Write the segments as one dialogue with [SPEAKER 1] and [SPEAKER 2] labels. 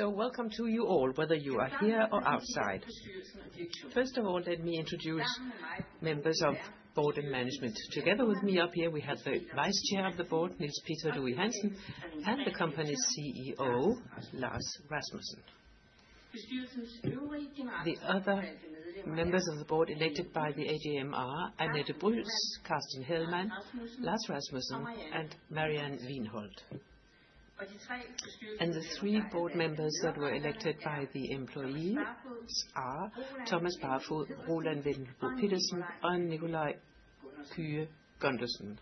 [SPEAKER 1] Welcome to you all, whether you are here or outside. First of all, let me introduce members of board and management. Together with me up here, we have the Vice Chair of the board, Niels Peter Louis-Hansen, and the company's CEO, Lars Rasmussen. The other members of the board elected by the AGM, Annette Brüls, Carsten Hellmann, Lars Rasmussen, and Marianne Wiinholt. The three board members that were elected by the employees are Thomas Barfod, Roland Vendelbo Pedersen, and Nikolaj Kyhe Gundersen.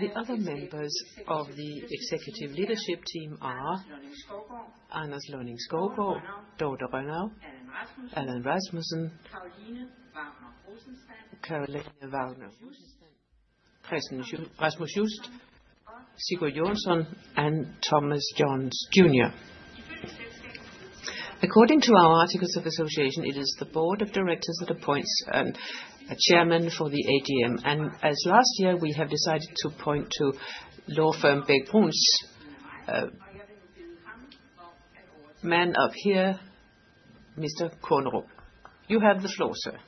[SPEAKER 1] The other members of the executive leadership team are Anders Lønning-Skovgaard, Dorthe Rønnau, Allan Rasmussen, Caroline Vagner Rosenstand, Rasmus Just, Sigurjonsson, and Tommy Johns According to our articles of association, it is the board of directors that appoints a chairman for the AGM. As last year, we have decided to appoint to law firm, Bech-Bruun man up here, Mr. Kornerup. You have the floor, sir.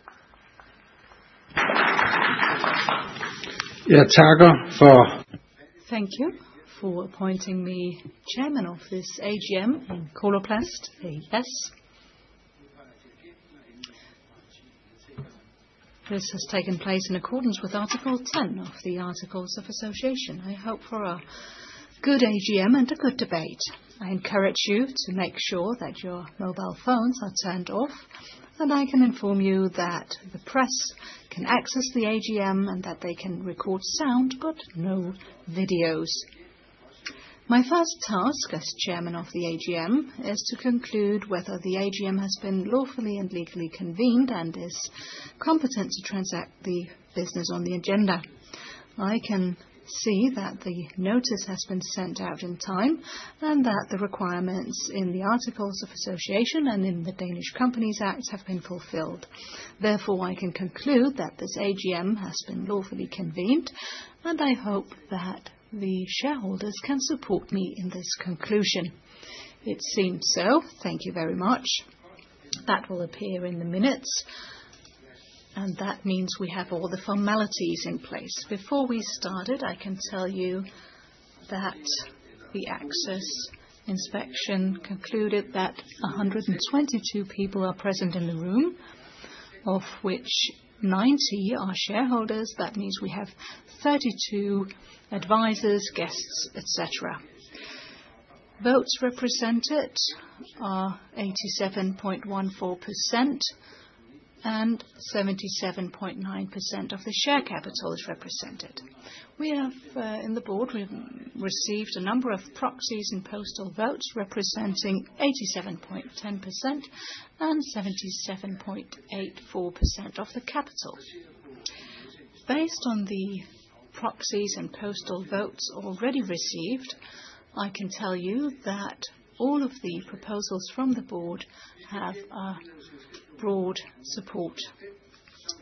[SPEAKER 1] Thank you.
[SPEAKER 2] Thank you for appointing me chairman of this AGM in Coloplast A/S. This has taken place in accordance with Article ten of the Articles of Association. I hope for a good AGM and a good debate. I encourage you to make sure that your mobile phones are turned off, and I can inform you that the press can access the AGM and that they can record sound, but no videos. My first task as chairman of the AGM is to conclude whether the AGM has been lawfully and legally convened, and is competent to transact the business on the agenda. I can see that the notice has been sent out in time, and that the requirements in the Articles of Association and in the Danish Companies Act have been fulfilled. I can conclude that this AGM has been lawfully convened, and I hope that the shareholders can support me in this conclusion. It seems so. Thank you very much. That will appear in the minutes, and that means we have all the formalities in place. Before we started, I can tell you that the access inspection concluded that 122 people are present in the room, of which 90 are shareholders. That means we have 32 advisors, guests, et cetera. Votes represented are 87.14%, and 77.9% of the share capital is represented. In the board, we've received a number of proxies and postal votes, representing 87.10% and 77.84% of the capital. Based on the proxies and postal votes already received, I can tell you that all of the proposals from the board have a broad support.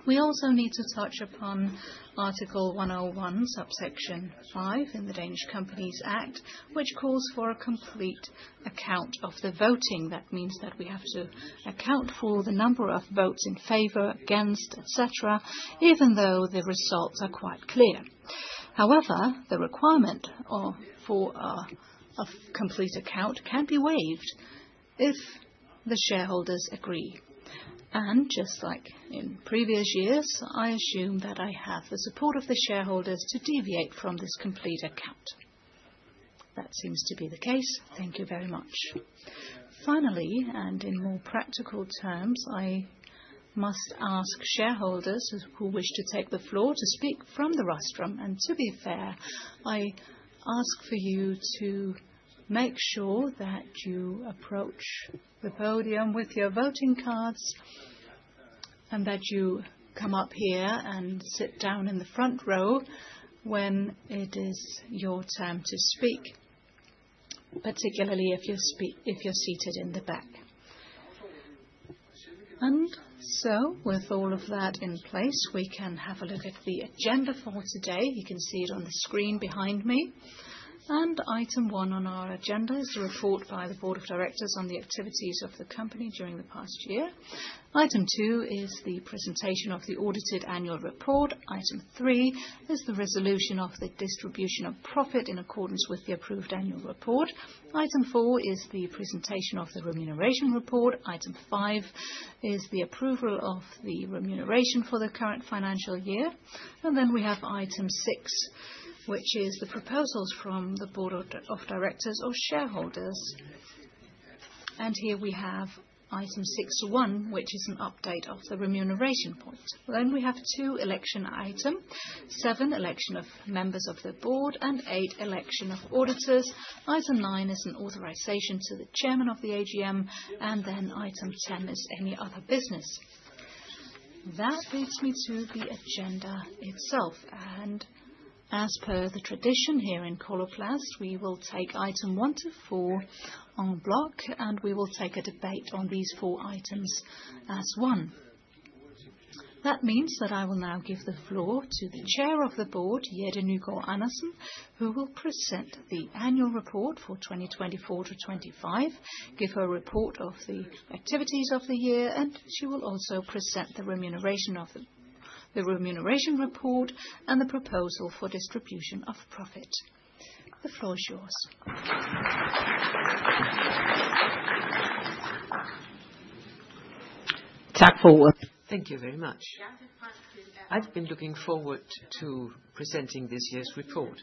[SPEAKER 2] We also need to touch upon Article 101(5) in the Danish Companies Act, which calls for a complete account of the voting. That means that we have to account for the number of votes in favor, against, et cetera, even though the results are quite clear. The requirement for a complete account can be waived if the shareholders agree. Just like in previous years, I assume that I have the support of the shareholders to deviate from this complete account. That seems to be the case. Thank you very much. Finally, in more practical terms, I must ask shareholders who wish to take the floor, to speak from the rostrum. To be fair, I ask for you to make sure that you approach the podium with your voting cards, and that you come up here and sit down in the front row when it is your time to speak, particularly if you're seated in the back. With all of that in place, we can have a look at the agenda for today. You can see it on the screen behind me. Item one on our agenda is the report by the board of directors on the activities of the company during the past year. Item two is the presentation of the audited annual report. Item three is the resolution of the distribution of profit in accordance with the approved annual report. Item four is the presentation of the remuneration report. Item five is the approval of the remuneration for the current financial year. Then we have item six, which is the proposals from the board of directors or shareholders. Here we have item 6 1, which is an update of the remuneration policy. Then we have two election item, seven, election of members of the board, and eight, election of auditors. Item nine is an authorization to the chairman of the AGM, Item 10 is any other business. That leads me to the agenda itself, As per the tradition here in Coloplast, we will take item one to four en bloc, We will take a debate on these four items as one. That means that I will now give the floor to the chair of the board, Jette Nygaard-Andersen, who will present the annual report for 2024-2025, give her a report of the activities of the year, and she will also present the remuneration of the remuneration report and the proposal for distribution of profit. The floor is yours.
[SPEAKER 1] Thank you very much. I've been looking forward to presenting this year's report.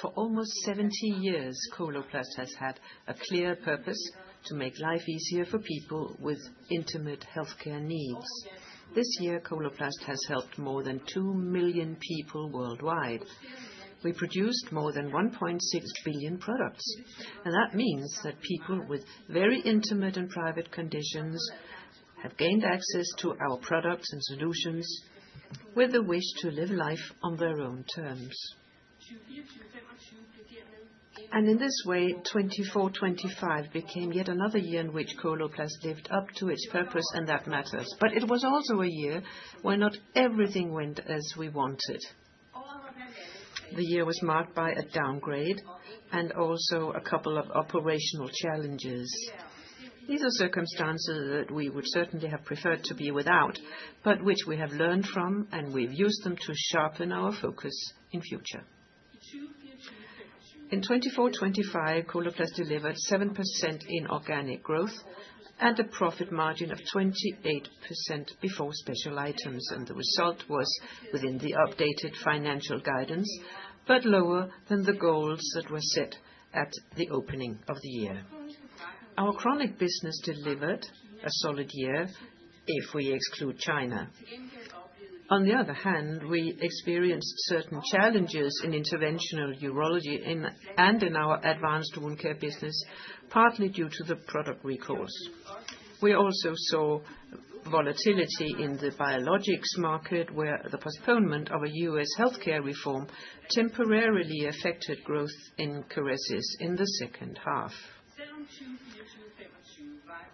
[SPEAKER 1] For almost 70 years, Coloplast has had a clear purpose: to make life easier for people with intimate healthcare needs. This year, Coloplast has helped more than two million people worldwide. We produced more than 1.6 billion products. That means that people with very intimate and private conditions have gained access to our products and solutions with the wish to live life on their own terms. In this way, 2024, 2025 became yet another year in which Coloplast lived up to its purpose. That matters. It was also a year where not everything went as we wanted. The year was marked by a downgrade and also a couple of operational challenges. These are circumstances that we would certainly have preferred to be without, but which we have learned from, and we've used them to sharpen our focus in future. In 2024, 2025, Coloplast delivered 7% in organic growth and a profit margin of 28% before special items, the result was within the updated financial guidance, but lower than the goals that were set at the opening of the year. Our Chronic Care business delivered a solid year if we exclude China. On the other hand, we experienced certain challenges in Interventional Urology and in our Advanced Wound Care business, partly due to the product recourse. We also saw volatility in the biologics market, where the postponement of a U.S. healthcare reform temporarily affected growth in Kerecis in the second half.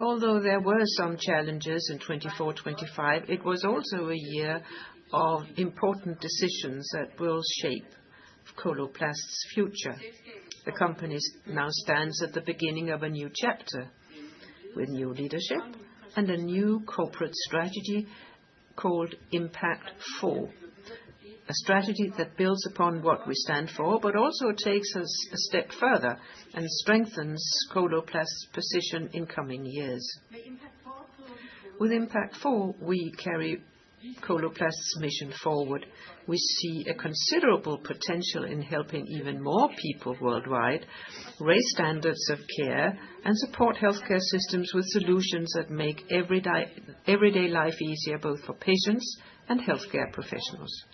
[SPEAKER 1] There were some challenges in 2024, 2025, it was also a year of important decisions that will shape Coloplast's future. The company now stands at the beginning of a new chapter with new leadership and a new corporate strategy called Impact4. A strategy that builds upon what we stand for, but also takes us a step further and strengthens Coloplast's position in coming years. With Impact4, we carry Coloplast's mission forward. We see a considerable potential in helping even more people worldwide, raise standards of care, and support healthcare systems with solutions that make everyday life easier, both for patients and healthcare professionals.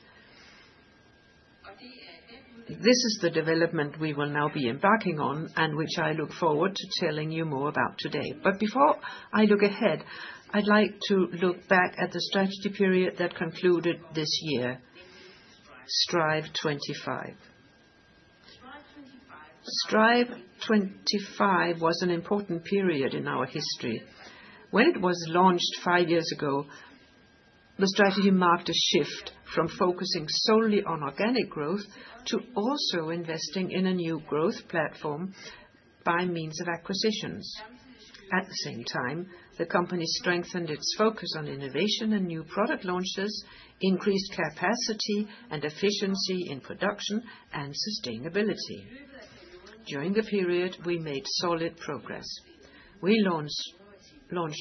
[SPEAKER 1] This is the development we will now be embarking on and which I look forward to telling you more about today. Before I look ahead, I'd like to look back at the strategy period that concluded this year, Strive25. Strive25 was an important period in our history. When it was launched five years ago, the strategy marked a shift from focusing solely on organic growth to also investing in a new growth platform by means of acquisitions. At the same time, the company strengthened its focus on innovation and new product launches, increased capacity and efficiency in production and sustainability. During the period, we made solid progress. We launched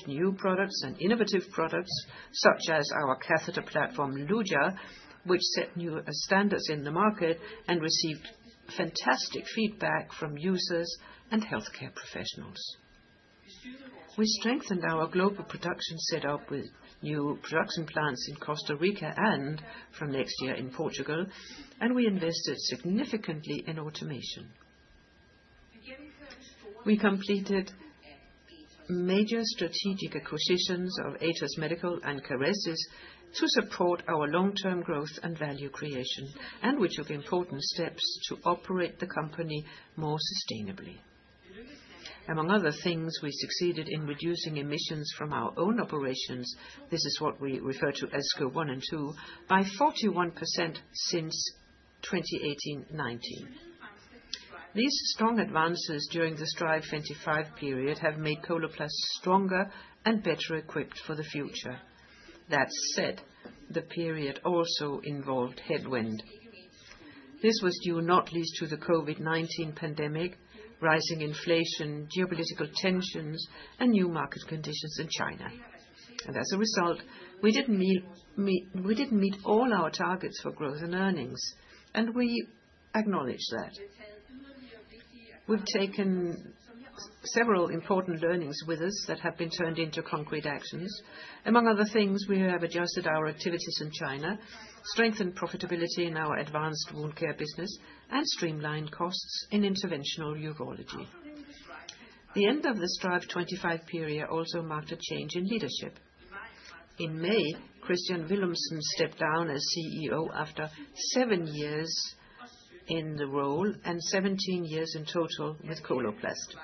[SPEAKER 1] new products and innovative products, such as our catheter platform, Luja, which set new standards in the market and received fantastic feedback from users and healthcare professionals. We strengthened our global production setup with new production plants in Costa Rica and from next year in Portugal, we invested significantly in automation. We completed major strategic acquisitions of Atos Medical and Kerecis to support our long-term growth and value creation, and which took important steps to operate the company more sustainably. Among other things, we succeeded in reducing emissions from our own operations, this is what we refer to as Scope 1 and 2, by 41% since 2018, 2019. These strong advances during the Strive25 period have made Coloplast stronger and better equipped for the future. That said, the period also involved headwind. This was due not least to the COVID-19 pandemic, rising inflation, geopolitical tensions, and new market conditions in China. As a result, we didn't meet all our targets for growth and earnings, and we acknowledge that. We've taken several important learnings with us that have been turned into concrete actions. Among other things, we have adjusted our activities in China, strengthened profitability in our Advanced Wound Care business, and streamlined costs in Interventional Urology. The end of the Strive25 period also marked a change in leadership. In May, Kristian Villumsen stepped down as CEO after seven years in the role, and 17 years in total with Coloplast.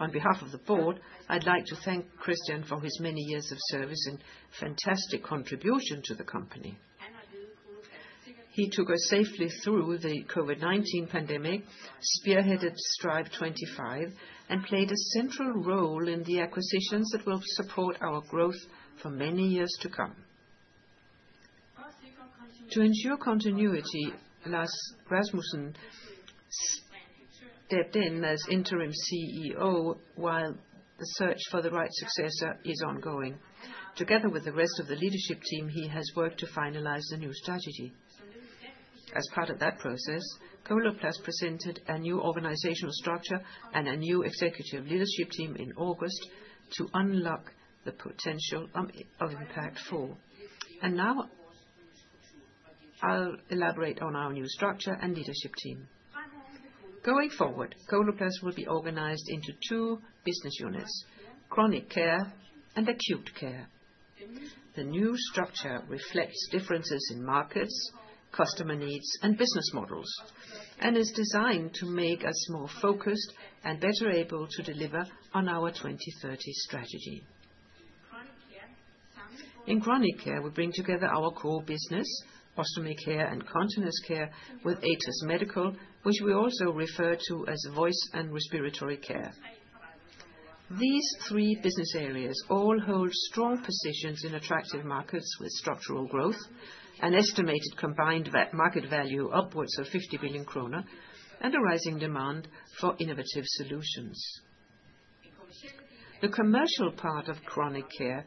[SPEAKER 1] On behalf of the board, I'd like to thank Kristian for his many years of service and fantastic contribution to the company. He took us safely through the COVID-19 pandemic, spearheaded Strive25, and played a central role in the acquisitions that will support our growth for many years to come. To ensure continuity, Lars Rasmussen stepped in as interim CEO while the search for the right successor is ongoing. Together with the rest of the leadership team, he has worked to finalize the new strategy. As part of that process, Coloplast presented a new organizational structure and a new executive leadership team in August to unlock the potential of Impact4. Now, I'll elaborate on our new structure and leadership team. Going forward, Coloplast will be organized into two business units: Chronic Care and Acute Care. The new structure reflects differences in markets, customer needs, and business models, and is designed to make us more focused and better able to deliver on our 2030 strategy. In Chronic Care, we bring together our core business, Ostomy Care and Continence Care, with Atos Medical, which we also refer to as Voice and Respiratory Care. These three business areas all hold strong positions in attractive markets with structural growth, an estimated combined market value upwards of 50 billion kroner, and a rising demand for innovative solutions. The commercial part of Chronic Care is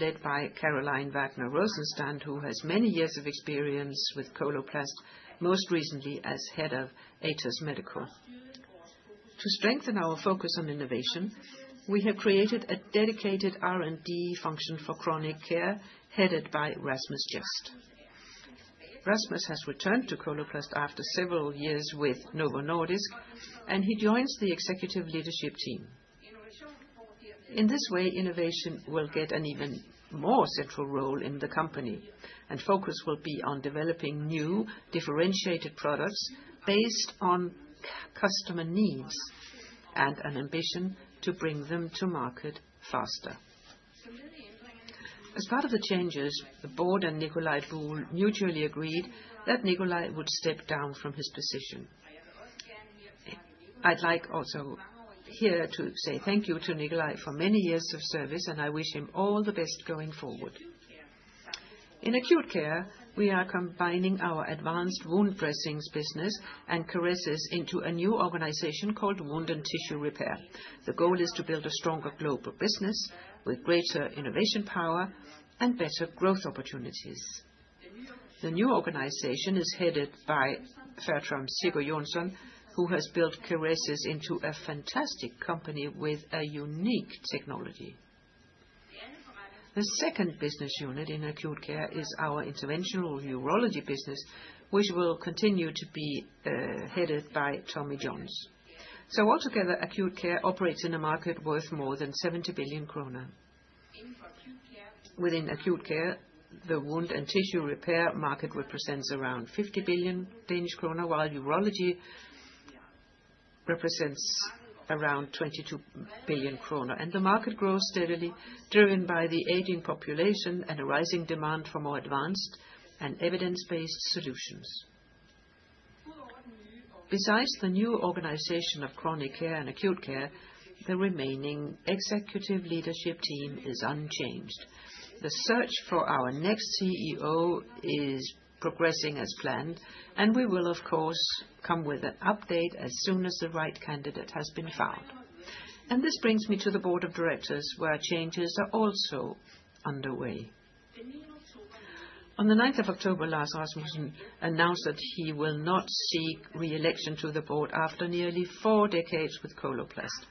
[SPEAKER 1] led by Caroline Vagner Rosenstand, who has many years of experience with Coloplast, most recently as head of Atos Medical. To strengthen our focus on innovation, we have created a dedicated R&D function for Chronic Care, headed by Rasmus Just. Rasmus has returned to Coloplast after several years with Novo Nordisk, he joins the executive leadership team. In this way, innovation will get an even more central role in the company, focus will be on developing new, differentiated products based on customer needs, and an ambition to bring them to market faster. As part of the changes, the board and Nicolai Buhl Andersen mutually agreed that Nicolai would step down from his position. I'd like also here to say thank you to Nicolai for many years of service, I wish him all the best going forward. In Acute Care, we are combining our advanced wound dressings business and Kerecis into a new organization called Wound & Tissue Repair. The goal is to build a stronger global business with greater innovation power and better growth opportunities. The new organization is headed by Fertram Sigurjónsson, who has built Kerecis into a fantastic company with a unique technology. The second business unit in Acute Care is our Interventional Urology business, which will continue to be headed by Tommy Johns. Altogether, Acute Care operates in a market worth more than 70 billion kroner. Within Acute Care, the Wound & Tissue Repair market represents around 50 billion Danish krone, while Urology represents around 22 billion krone. The market grows steadily, driven by the aging population and a rising demand for more advanced and evidence-based solutions. Besides the new organization of Chronic Care and Acute Care, the remaining executive leadership team is unchanged. The search for our next CEO is progressing as planned, we will, of course, come with an update as soon as the right candidate has been found. This brings me to the board of directors, where changes are also underway. On the ninth of October, Lars Rasmussen announced that he will not seek re-election to the board after nearly four decades with Coloplast.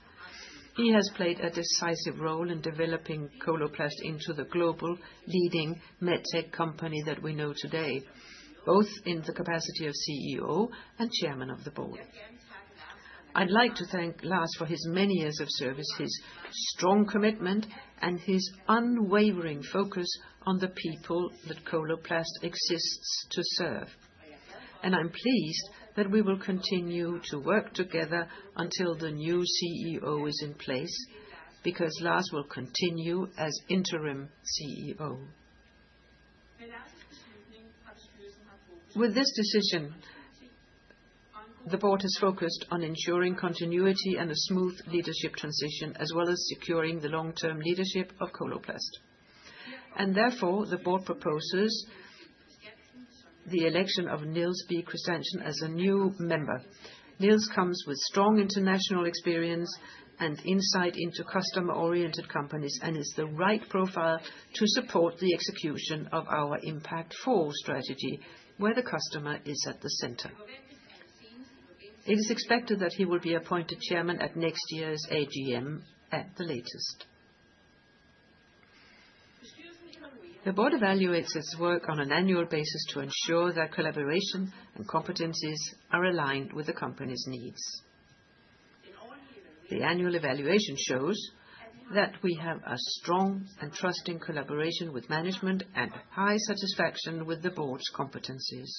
[SPEAKER 1] He has played a decisive role in developing Coloplast into the global leading medtech company that we know today, both in the capacity of CEO and chairman of the board. I'd like to thank Lars for his many years of service, his strong commitment, and his unwavering focus on the people that Coloplast exists to serve. I'm pleased that we will continue to work together until the new CEO is in place, because Lars will continue as interim CEO. With this decision, the board is focused on ensuring continuity and a smooth leadership transition, as well as securing the long-term leadership of Coloplast. Therefore, the board proposes the election of Niels B. Christiansen as a new member. Niels comes with strong international experience and insight into customer-oriented companies, and is the right profile to support the execution of our Impact4 strategy, where the customer is at the center. It is expected that he will be appointed Chairman at next year's AGM at the latest. The board evaluates its work on an annual basis to ensure that collaboration and competencies are aligned with the company's needs. The annual evaluation shows that we have a strong and trusting collaboration with management and high satisfaction with the board's competencies.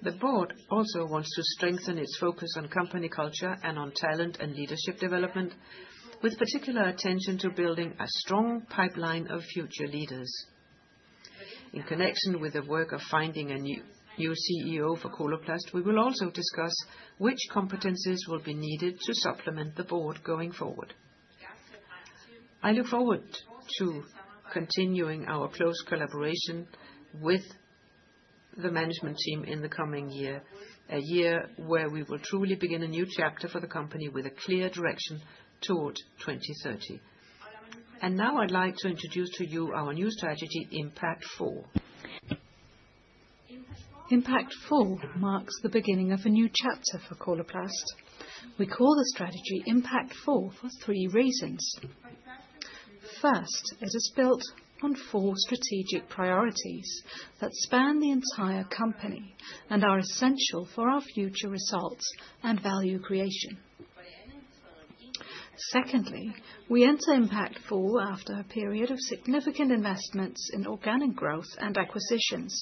[SPEAKER 1] The board also wants to strengthen its focus on company culture and on talent and leadership development, with particular attention to building a strong pipeline of future leaders. In connection with the work of finding a new CEO for Coloplast, we will also discuss which competencies will be needed to supplement the board going forward. I look forward to continuing our close collaboration with the management team in the coming year, a year where we will truly begin a new chapter for the company with a clear direction toward 2030. Now I'd like to introduce to you our new strategy, Impact4.
[SPEAKER 2] Impact4 marks the beginning of a new chapter for Coloplast. We call the strategy Impact4 for three reasons. It is built on four strategic priorities that span the entire company and are essential for our future results and value creation. We enter Impact4 after a period of significant investments in organic growth and acquisitions.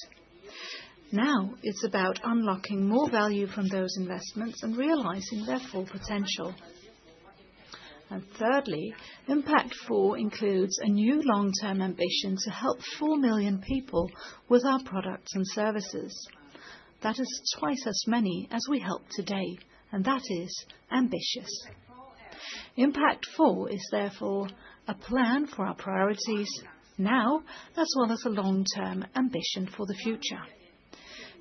[SPEAKER 2] Now it's about unlocking more value from those investments and realizing their full potential. Impact4 includes a new long-term ambition to help four million people with our products and services. That is twice as many as we help today, that is ambitious. Impact4 is therefore a plan for our priorities now, as well as a long-term ambition for the future.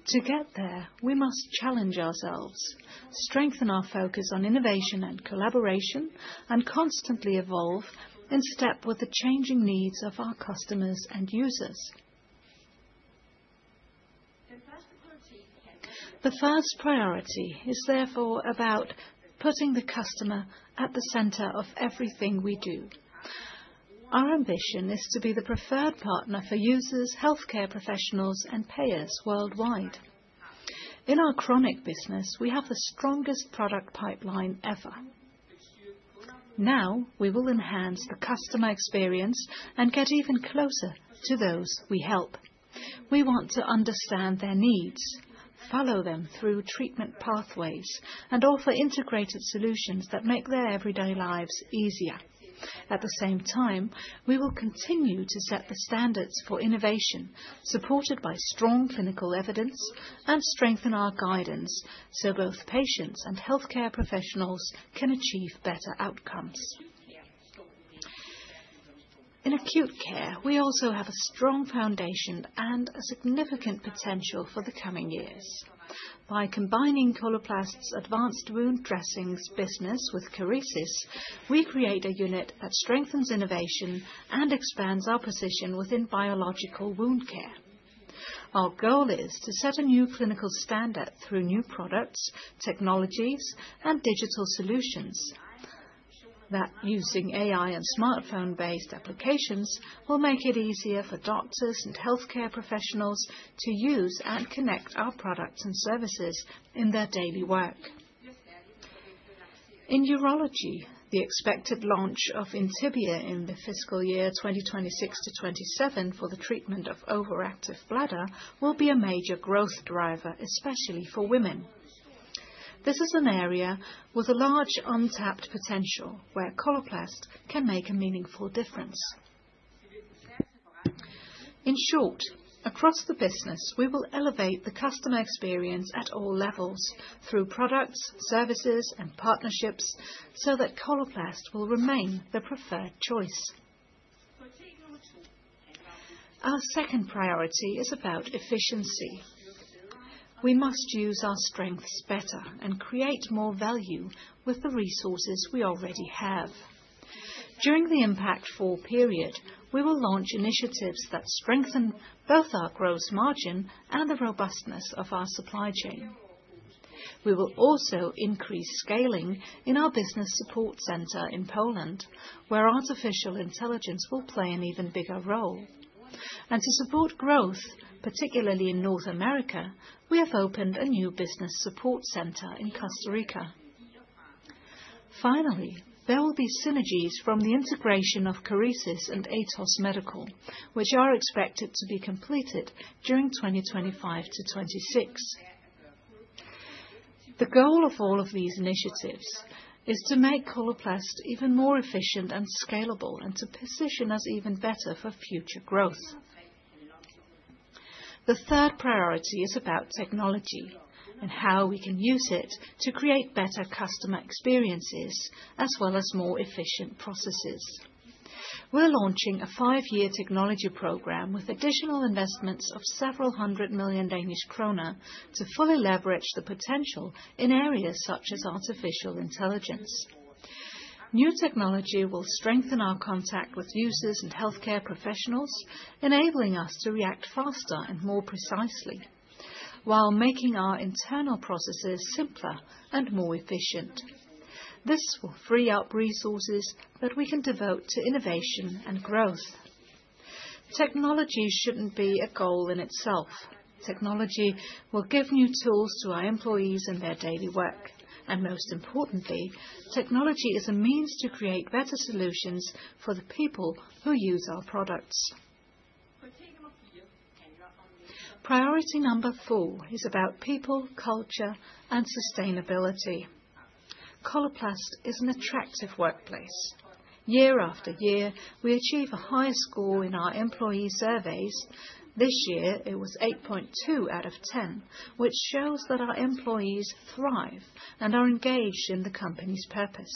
[SPEAKER 2] To get there, we must challenge ourselves, strengthen our focus on innovation and collaboration, and constantly evolve in step with the changing needs of our customers and users. The first priority is therefore about putting the customer at the center of everything we do. Our ambition is to be the preferred partner for users, healthcare professionals, and payers worldwide. In our Chronic Care business, we have the strongest product pipeline ever. We will enhance the customer experience and get even closer to those we help. We want to understand their needs, follow them through treatment pathways, and offer integrated solutions that make their everyday lives easier. We will continue to set the standards for innovation, supported by strong clinical evidence, and strengthen our guidance, so both patients and healthcare professionals can achieve better outcomes. In Acute Care, we also have a strong foundation and a significant potential for the coming years. By combining Coloplast's advanced wound dressings business with Kerecis, we create a unit that strengthens innovation and expands our position within biological wound care. Our goal is to set a new clinical standard through new products, technologies, and digital solutions that using AI and smartphone-based applications will make it easier for doctors and healthcare professionals to use and connect our products and services in their daily work. In urology, the expected launch of Intibia in the fiscal year 2026-2027 for the treatment of overactive bladder, will be a major growth driver, especially for women. This is an area with a large untapped potential, where Coloplast can make a meaningful difference. In short, across the business, we will elevate the customer experience at all levels through products, services, and partnerships, so that Coloplast will remain the preferred choice. Our second priority is about efficiency. We must use our strengths better and create more value with the resources we already have. During the Impact4 period, we will launch initiatives that strengthen both our gross margin and the robustness of our supply chain. We will also increase scaling in our business support center in Poland, where artificial intelligence will play an even bigger role. To support growth, particularly in North America, we have opened a new business support center in Costa Rica. Finally, there will be synergies from the integration of Kerecis and Atos Medical, which are expected to be completed during 2025 to 2026. The goal of all of these initiatives is to make Coloplast even more efficient and scalable, and to position us even better for future growth. The third priority is about technology and how we can use it to create better customer experiences, as well as more efficient processes. We're launching a five-year technology program with additional investments of several hundred million DKK to fully leverage the potential in areas such as artificial intelligence. New technology will strengthen our contact with users and healthcare professionals, enabling us to react faster and more precisely, while making our internal processes simpler and more efficient. This will free up resources that we can devote to innovation and growth. Technology shouldn't be a goal in itself. Technology will give new tools to our employees in their daily work. Most importantly, technology is a means to create better solutions for the people who use our products. Priority number four is about people, culture, and sustainability. Coloplast is an attractive workplace. Year after year, we achieve a high score in our employee surveys. This year, it was 8.2 out of 10, which shows that our employees thrive and are engaged in the company's purpose.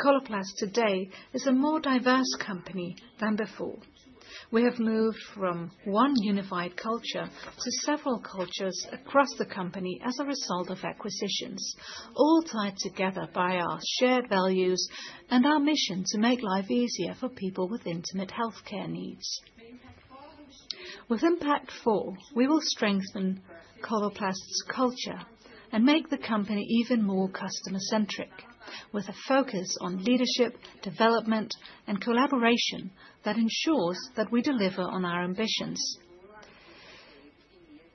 [SPEAKER 2] Coloplast today is a more diverse company than before. We have moved from one unified culture to several cultures across the company as a result of acquisitions, all tied together by our shared values and our mission to make life easier for people with intimate health care needs. With Impact4, we will strengthen Coloplast's culture and make the company even more customer-centric, with a focus on leadership, development, and collaboration that ensures that we deliver on our ambitions.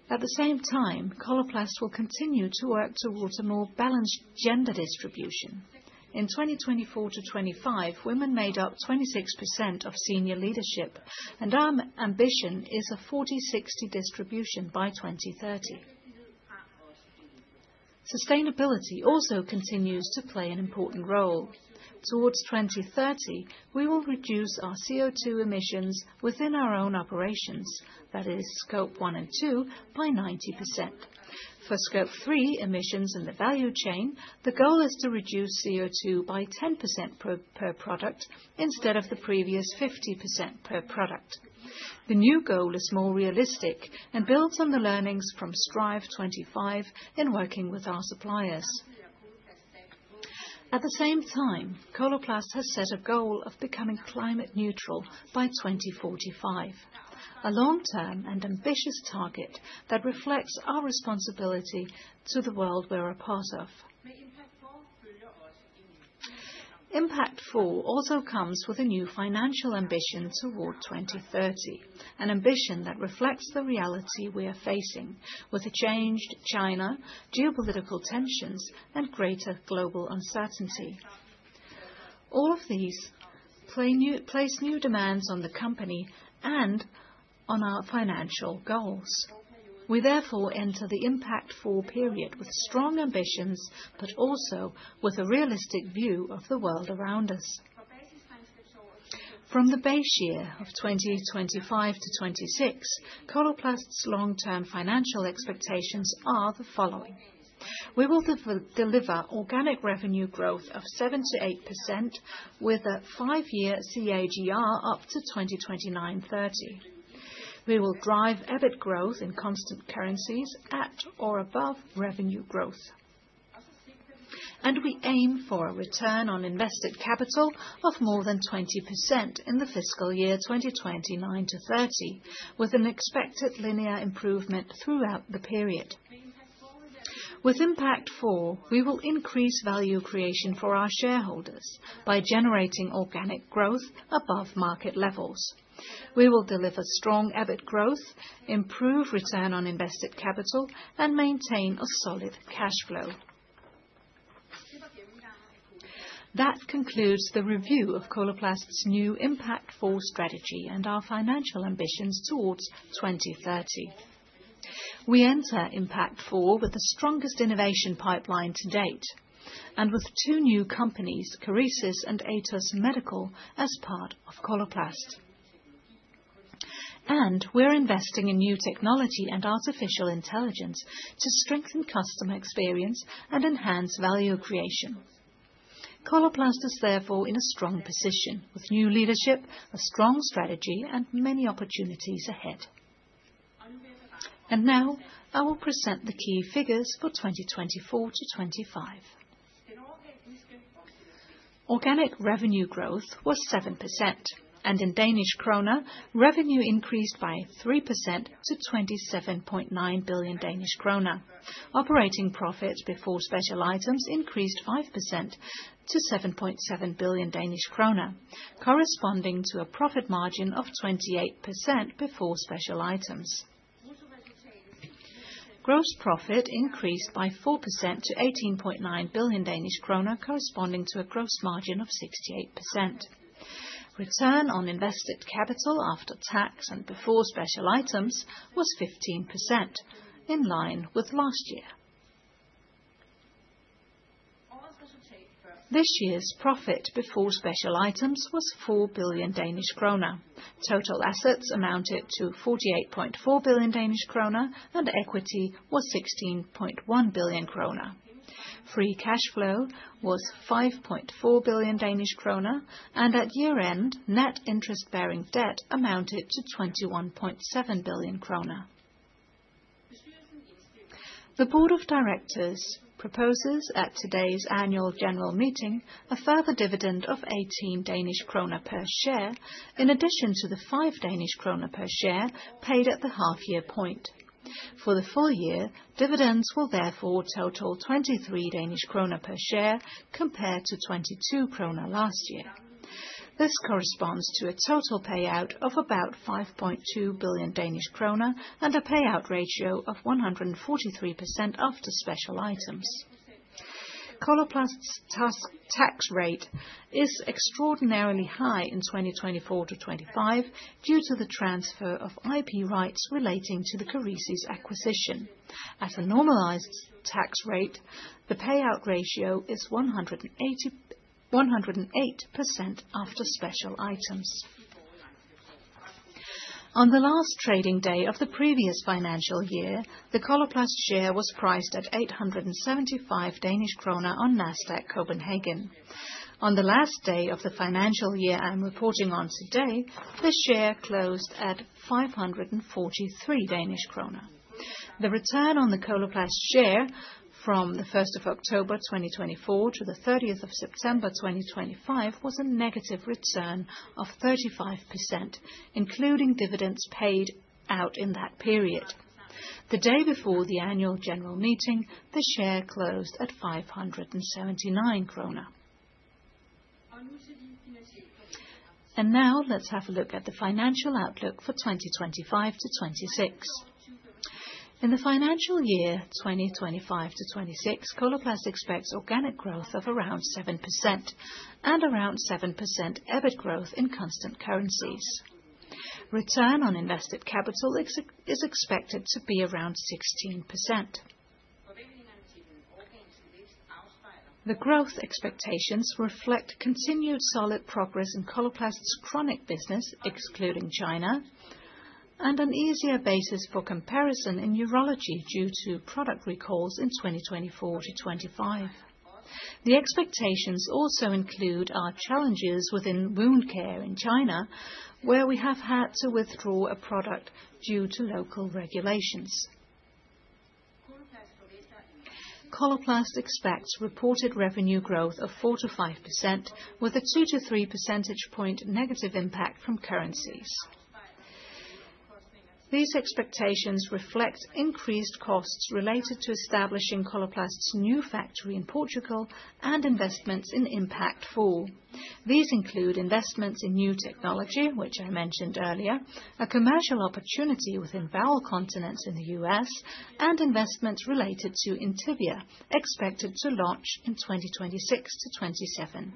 [SPEAKER 2] Coloplast will continue to work towards a more balanced gender distribution. In 2024 to 25, women made up 26% of senior leadership, and our ambition is a 40/60 distribution by 2030. Sustainability also continues to play an important role. Towards 2030, we will reduce our CO2 emissions within our own operations, that is Scope 1 and 2, by 90%. For Scope 3 emissions in the value chain, the goal is to reduce CO2 by 10% per product instead of the previous 50% per product. The new goal is more realistic and builds on the learnings from Strive25 in working with our suppliers. At the same time, Coloplast has set a goal of becoming climate neutral by 2045, a long-term and ambitious target that reflects our responsibility to the world we're a part of. Impact4 also comes with a new financial ambition toward 2030, an ambition that reflects the reality we are facing with a changed China, geopolitical tensions, and greater global uncertainty. All of these place new demands on the company and on our financial goals. We therefore enter the Impact4 period with strong ambitions, also with a realistic view of the world around us. From the base year of 2025 to 2026, Coloplast's long-term financial expectations are the following: We will deliver organic revenue growth of 7%-8% with a five-year CAGR up to 2029, 30. We will drive EBIT growth in constant currencies at or above revenue growth. We aim for a return on invested capital of more than 20% in the fiscal year 2029 to 30, with an expected linear improvement throughout the period. With Impact4, we will increase value creation for our shareholders by generating organic growth above market levels. We will deliver strong EBIT growth, improve return on invested capital, and maintain a solid cash flow. That concludes the review of Coloplast's new Impact4 strategy and our financial ambitions towards 2030. We enter Impact4 with the strongest innovation pipeline to date, and with two new companies, Kerecis and Atos Medical, as part of Coloplast. We're investing in new technology and artificial intelligence to strengthen customer experience and enhance value creation. Coloplast is therefore in a strong position, with new leadership, a strong strategy, and many opportunities ahead. Now I will present the key figures for 2024 to 2025. Organic revenue growth was 7%, and in DKK, revenue increased by 3% to 27.9 billion Danish kroner. Operating profits before special items increased 5% to 7.7 billion Danish kroner, corresponding to a profit margin of 28% before special items. Gross profit increased by 4% to 18.9 billion Danish kroner, corresponding to a gross margin of 68%. Return on invested capital after tax and before special items was 15%, in line with last year. This year's profit before special items was 4 billion Danish krone. Total assets amounted to 48.4 billion Danish krone, and equity was 16.1 billion. Free cash flow was 5.4 billion Danish kroner, and at year-end, net interest-bearing debt amounted to 21.7 billion. The board of directors proposes, at today's annual general meeting, a further dividend of 18 Danish krone per share, in addition to the 5 Danish krone per share paid at the half-year point. For the full year, dividends will therefore total 23 Danish kroner per share, compared to 22 kroner last year. This corresponds to a total payout of about 5.2 billion Danish kroner, and a payout ratio of 143% after special items. Coloplast's tax rate is extraordinarily high in 2024-2025 due to the transfer of IP rights relating to the Kerecis acquisition. At a normalized tax rate, the payout ratio is 108% after special items. On the last trading day of the previous financial year, the Coloplast share was priced at 875 Danish kroner on Nasdaq Copenhagen. On the last day of the financial year I'm reporting on today, the share closed at 543 Danish kroner. The return on the Coloplast share from October 1, 2024, to September 30, 2025, was a negative return of 35%, including dividends paid out in that period. The day before the annual general meeting, the share closed at 579 kroner. Now let's have a look at the financial outlook for 2025-2026. In the financial year 2025-2026, Coloplast expects organic growth of around 7% and around 7% EBIT growth in constant currencies. Return on invested capital is expected to be around 16%. The growth expectations reflect continued solid progress in Coloplast's Chronic Care business, excluding China, and an easier basis for comparison in Interventional Urology due to product recalls in 2024-2025. The expectations also include our challenges within Wound & Tissue Repair in China, where we have had to withdraw a product due to local regulations. Coloplast expects reported revenue growth of 4%-5%, with a two to three percentage point negative impact from currencies. These expectations reflect increased costs related to establishing Coloplast's new factory in Portugal and investments in Impact4. These include investments in new technology, which I mentioned earlier, a commercial opportunity within Continence Care in the U.S., and investments related to Intibia, expected to launch in 2026-2027.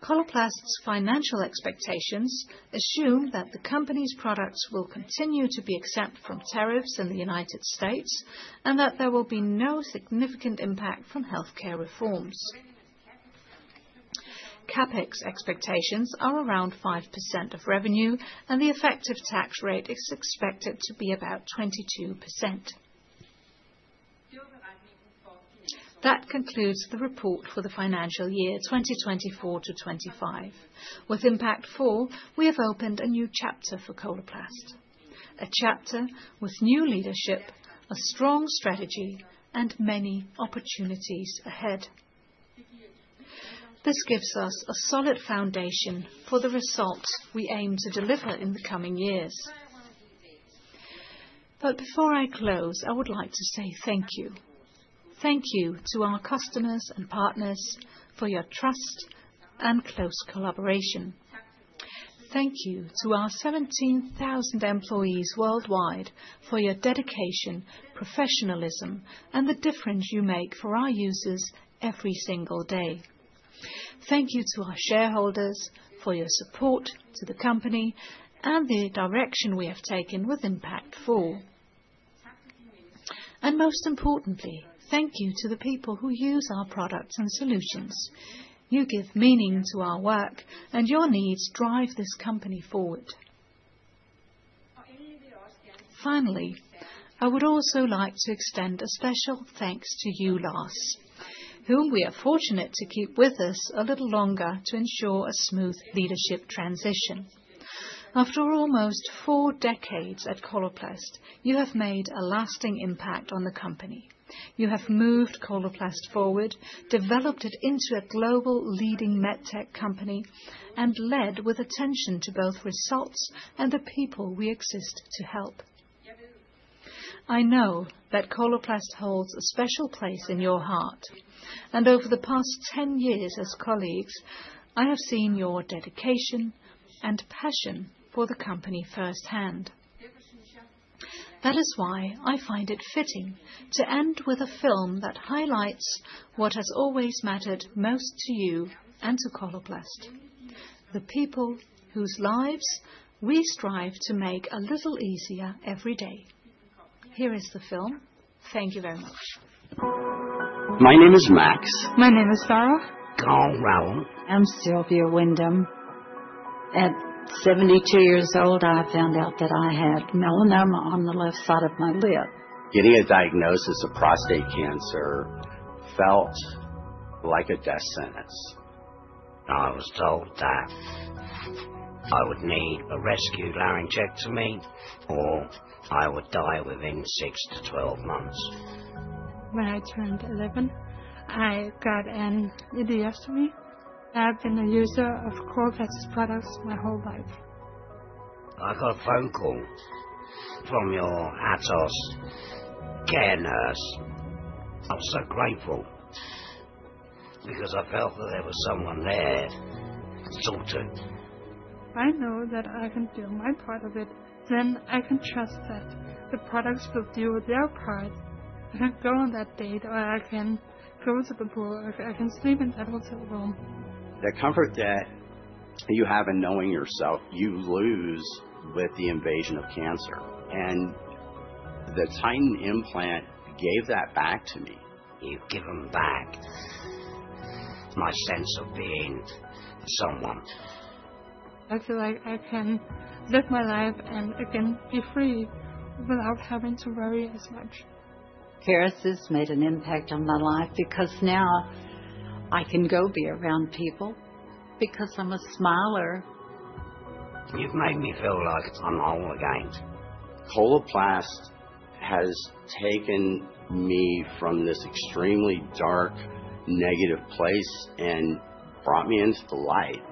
[SPEAKER 2] Coloplast's financial expectations assume that the company's products will continue to be exempt from tariffs in the United States, and that there will be no significant impact from healthcare reforms. CapEx expectations are around 5% of revenue, and the effective tax rate is expected to be about 22%. That concludes the report for the financial year, 2024-2025. With Impact4, we have opened a new chapter for Coloplast, a chapter with new leadership, a strong strategy, and many opportunities ahead. This gives us a solid foundation for the results we aim to deliver in the coming years. Before I close, I would like to say thank you. Thank you to our customers and partners for your trust and close collaboration. Thank you to our 17,000 employees worldwide for your dedication, professionalism, and the difference you make for our users every single day. Thank you to our shareholders for your support to the company and the direction we have taken with Impact4. Most importantly, thank you to the people who use our products and solutions. You give meaning to our work, and your needs drive this company forward. Finally, I would also like to extend a special thanks to you, Lars, whom we are fortunate to keep with us a little longer to ensure a smooth leadership transition. After almost four decades at Coloplast, you have made a lasting impact on the company. You have moved Coloplast forward, developed it into a global leading medtech company, and led with attention to both results and the people we exist to help. I know that Coloplast holds a special place in your heart, and over the past 10 years as colleagues, I have seen your dedication and passion for the company firsthand. That is why I find it fitting to end with a film that highlights what has always mattered most to you and to Coloplast, the people whose lives we strive to make a little easier every day. Here is the film. Thank you very much.
[SPEAKER 3] My name is Max. My name is Sara. I'm Ralph. I'm Sylvia Wyndham. At 72 years old, I found out that I had melanoma on the left side of my lip. Getting a diagnosis of prostate cancer felt like a death sentence. I was told that I would need a rescue laryngectomy, or I would die within six-12 months. When I turned eleven, I got an ileostomy. I've been a user of Coloplast products my whole life. I got a phone call from your Atos care nurse. I was so grateful, because I felt that there was someone there to talk to. I know that I can do my part of it, then I can trust that the products will do their part. I can go on that date, or I can go to the pool, or I can sleep in that hotel room. The comfort that you have in knowing yourself, you lose with the invasion of cancer, and the Titan implant gave that back to me. You've given back my sense of being someone. I feel like I can live my life, and I can be free without having to worry as much. Kerecis made an impact on my life, because now I can go be around people, because I'm a smiler. You've made me feel like I'm whole again. Coloplast has taken me from this extremely dark, negative place and brought me into the light.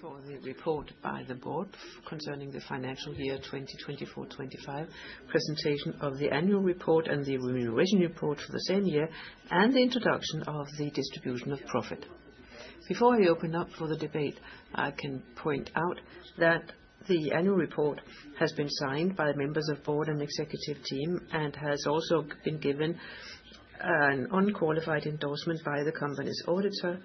[SPEAKER 1] For the report by the board concerning the financial year 2024, 2025, presentation of the annual report and the remuneration report for the same year, the introduction of the distribution of profit. Before I open up for the debate, I can point out that the annual report has been signed by members of board and executive team, and has also been given an unqualified endorsement by the company's auditor.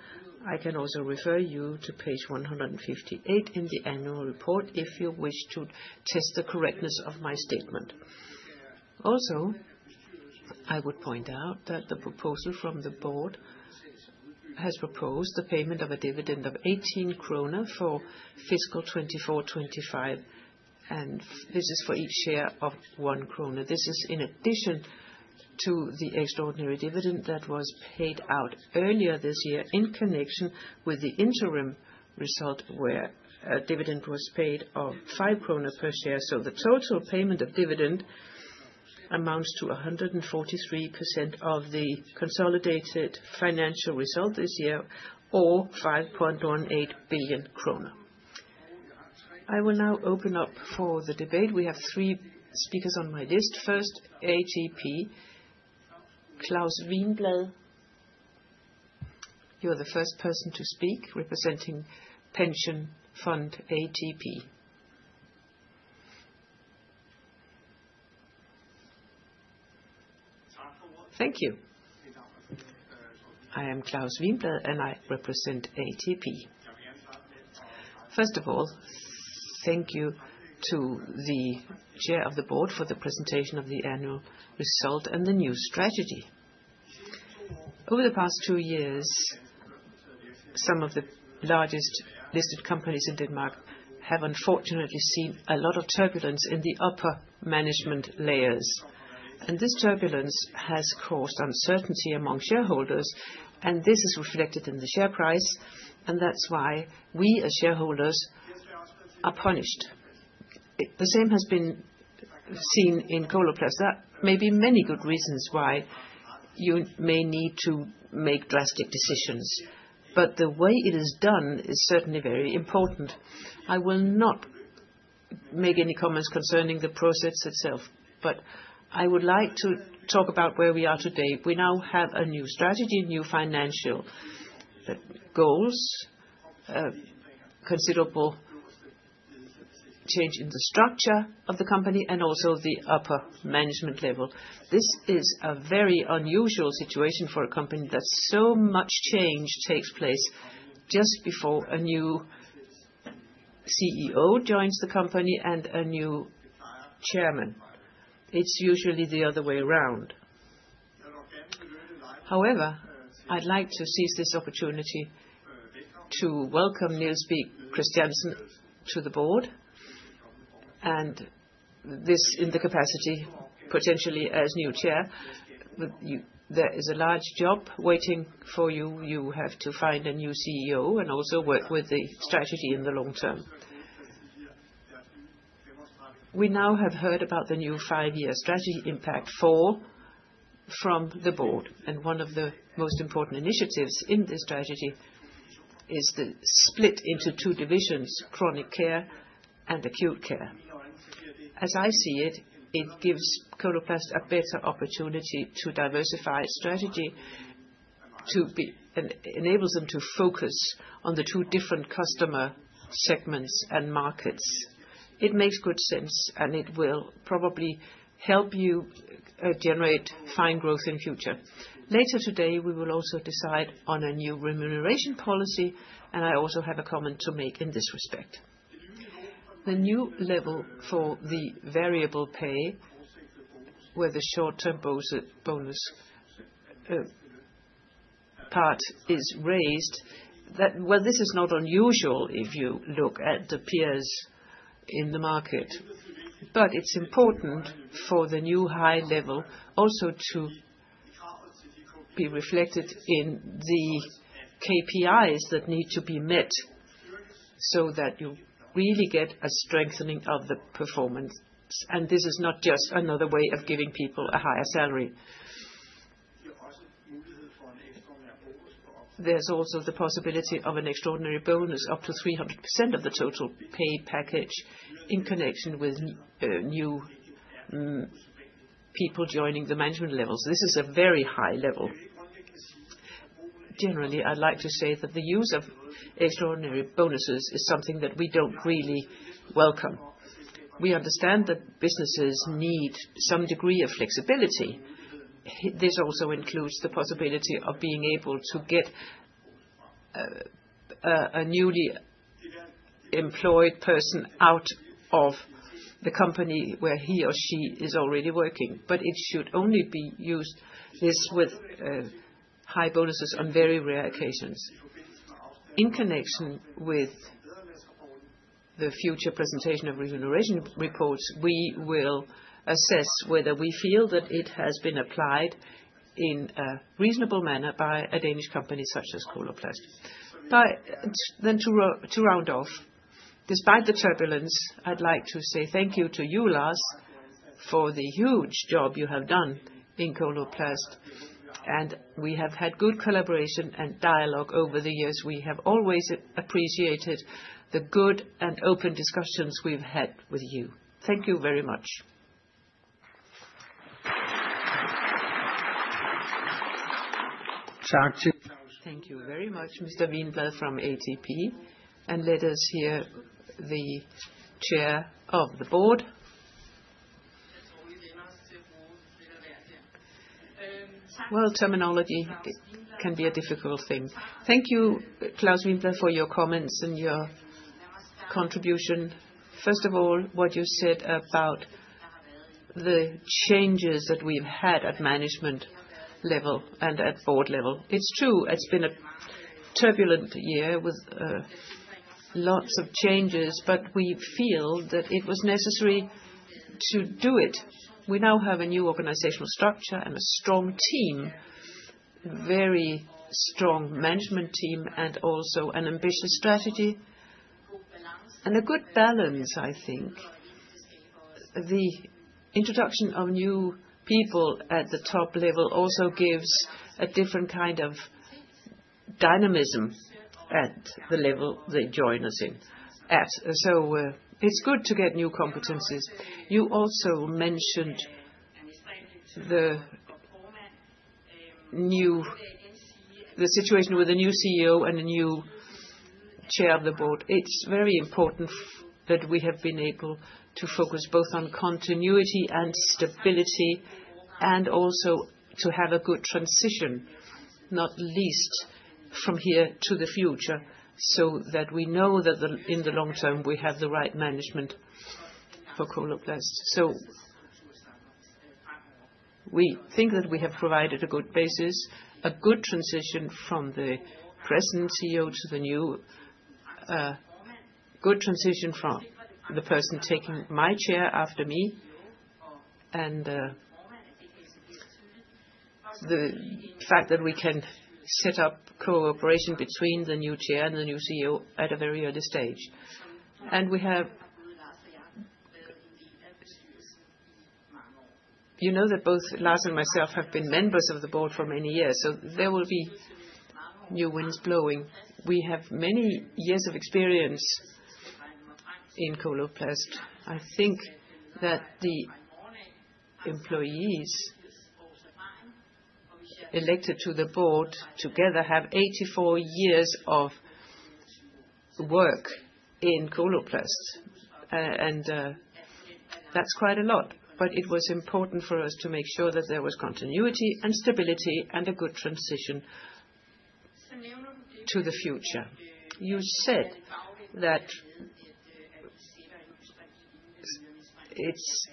[SPEAKER 1] I can also refer you to page 158 in the annual report, if you wish to test the correctness of my statement. Also, I would point out that the proposal from the board has proposed the payment of a dividend of 18 kroner for fiscal 2024, 2025, and this is for each share of 1 krone. This is in addition to the extraordinary dividend that was paid out earlier this year in connection with the interim result, where a dividend was paid of 5 krone per share. The total payment of dividend amounts to 143% of the consolidated financial result this year, or 5.18 billion kroner. I will now open up for the debate. We have three speakers on my list. First, ATP. Claus Wiinblad, you are the first person to speak, representing pension fund, ATP. Thank you. I am Claus Wiinblad, and I represent ATP. First of all, thank you to the chair of the board for the presentation of the annual result and the new strategy. Over the past two years, some of the largest listed companies in Denmark have unfortunately seen a lot of turbulence in the upper management layers. This turbulence has caused uncertainty among shareholders. This is reflected in the share price. That's why we as shareholders are punished. The same has been seen in Coloplast. There may be many good reasons why you may need to make drastic decisions. The way it is done is certainly very important. I will not make any comments concerning the process itself. I would like to talk about where we are today. We now have a new strategy, new financial goals, considerable change in the structure of the company and also the upper management level. This is a very unusual situation for a company that so much change takes place just before a new CEO joins the company and a new chairman. It's usually the other way around. I'd like to seize this opportunity to welcome Niels B. Christiansen to the board, and this in the capacity, potentially as new chair. There is a large job waiting for you. You have to find a new CEO and also work with the strategy in the long term. We now have heard about the new five-year strategy Impact4 from the board, and one of the most important initiatives in this strategy is the split into two divisions: Chronic Care and Acute Care. As I see it gives Coloplast a better opportunity to diversify its strategy to be... enables them to focus on the two different customer segments and markets. It makes good sense, and it will probably help you generate fine growth in future. Later today, we will also decide on a new remuneration policy, and I also have a comment to make in this respect. The new level for the variable pay, where the short-term bonus part is raised. Well, this is not unusual if you look at the peers in the market, but it's important for the new high level also to be reflected in the KPIs that need to be met, so that you really get a strengthening of the performance. This is not just another way of giving people a higher salary. There's also the possibility of an extraordinary bonus, up to 300% of the total pay package in connection with new people joining the management levels. This is a very high level. Generally, I'd like to say that the use of extraordinary bonuses is something that we don't really welcome. We understand that businesses need some degree of flexibility. This also includes the possibility of being able to get a newly employed person out of the company where he or she is already working, but it should only be used this with high bonuses on very rare occasions. In connection with the future presentation of remuneration reports, we will assess whether we feel that it has been applied in a reasonable manner by a Danish company such as Coloplast. To round off, despite the turbulence, I'd like to say thank you to you, Lars, for the huge job you have done in Coloplast, and we have had good collaboration and dialogue over the years. We have always appreciated the good and open discussions we've had with you. Thank you very much. Thank you very much, Mr. Winblad from ATP. Let us hear the Chair of the Board. Well, terminology can be a difficult thing. Thank you, Claus Winblad, for your comments and your contribution. First of all, what you said about the changes that we've had at Management level and at Board level. It's true, it's been a turbulent year with lots of changes, but we feel that it was necessary to do it. We now have a new organizational structure and a strong team, very strong management team, and also an ambitious strategy. A good balance, I think. The introduction of new people at the top level also gives a different kind of dynamism at the level they join us in at, so, it's good to get new competencies. You also mentioned the situation with a new CEO and a new chair of the board. It's very important that we have been able to focus both on continuity and stability, and also to have a good transition, not least from here to the future, so that we know that in the long term, we have the right management for Coloplast. We think that we have provided a good basis, a good transition from the present CEO to the new, good transition from the person taking my chair after me, and the fact that we can set up cooperation between the new chair and the new CEO at a very early stage. You know that both Lars and myself have been members of the board for many years, so there will be new winds blowing. We have many years of experience in Coloplast. I think that the employees elected to the board together have 84 years of work in Coloplast, and that's quite a lot. It was important for us to make sure that there was continuity and stability, and a good transition to the future. You said that it's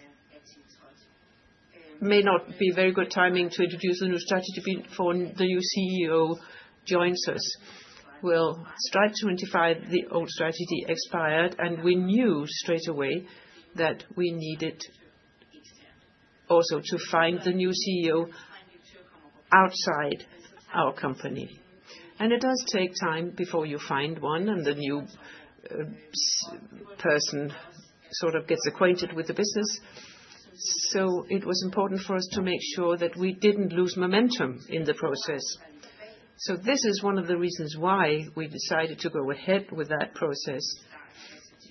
[SPEAKER 1] may not be very good timing to introduce a new strategy for the new CEO joins us. Well, Strategy 25, the old strategy expired, and we knew straight away that we needed also to find the new CEO outside our company. It does take time before you find one, and the new person sort of gets acquainted with the business. It was important for us to make sure that we didn't lose momentum in the process. This is one of the reasons why we decided to go ahead with that process,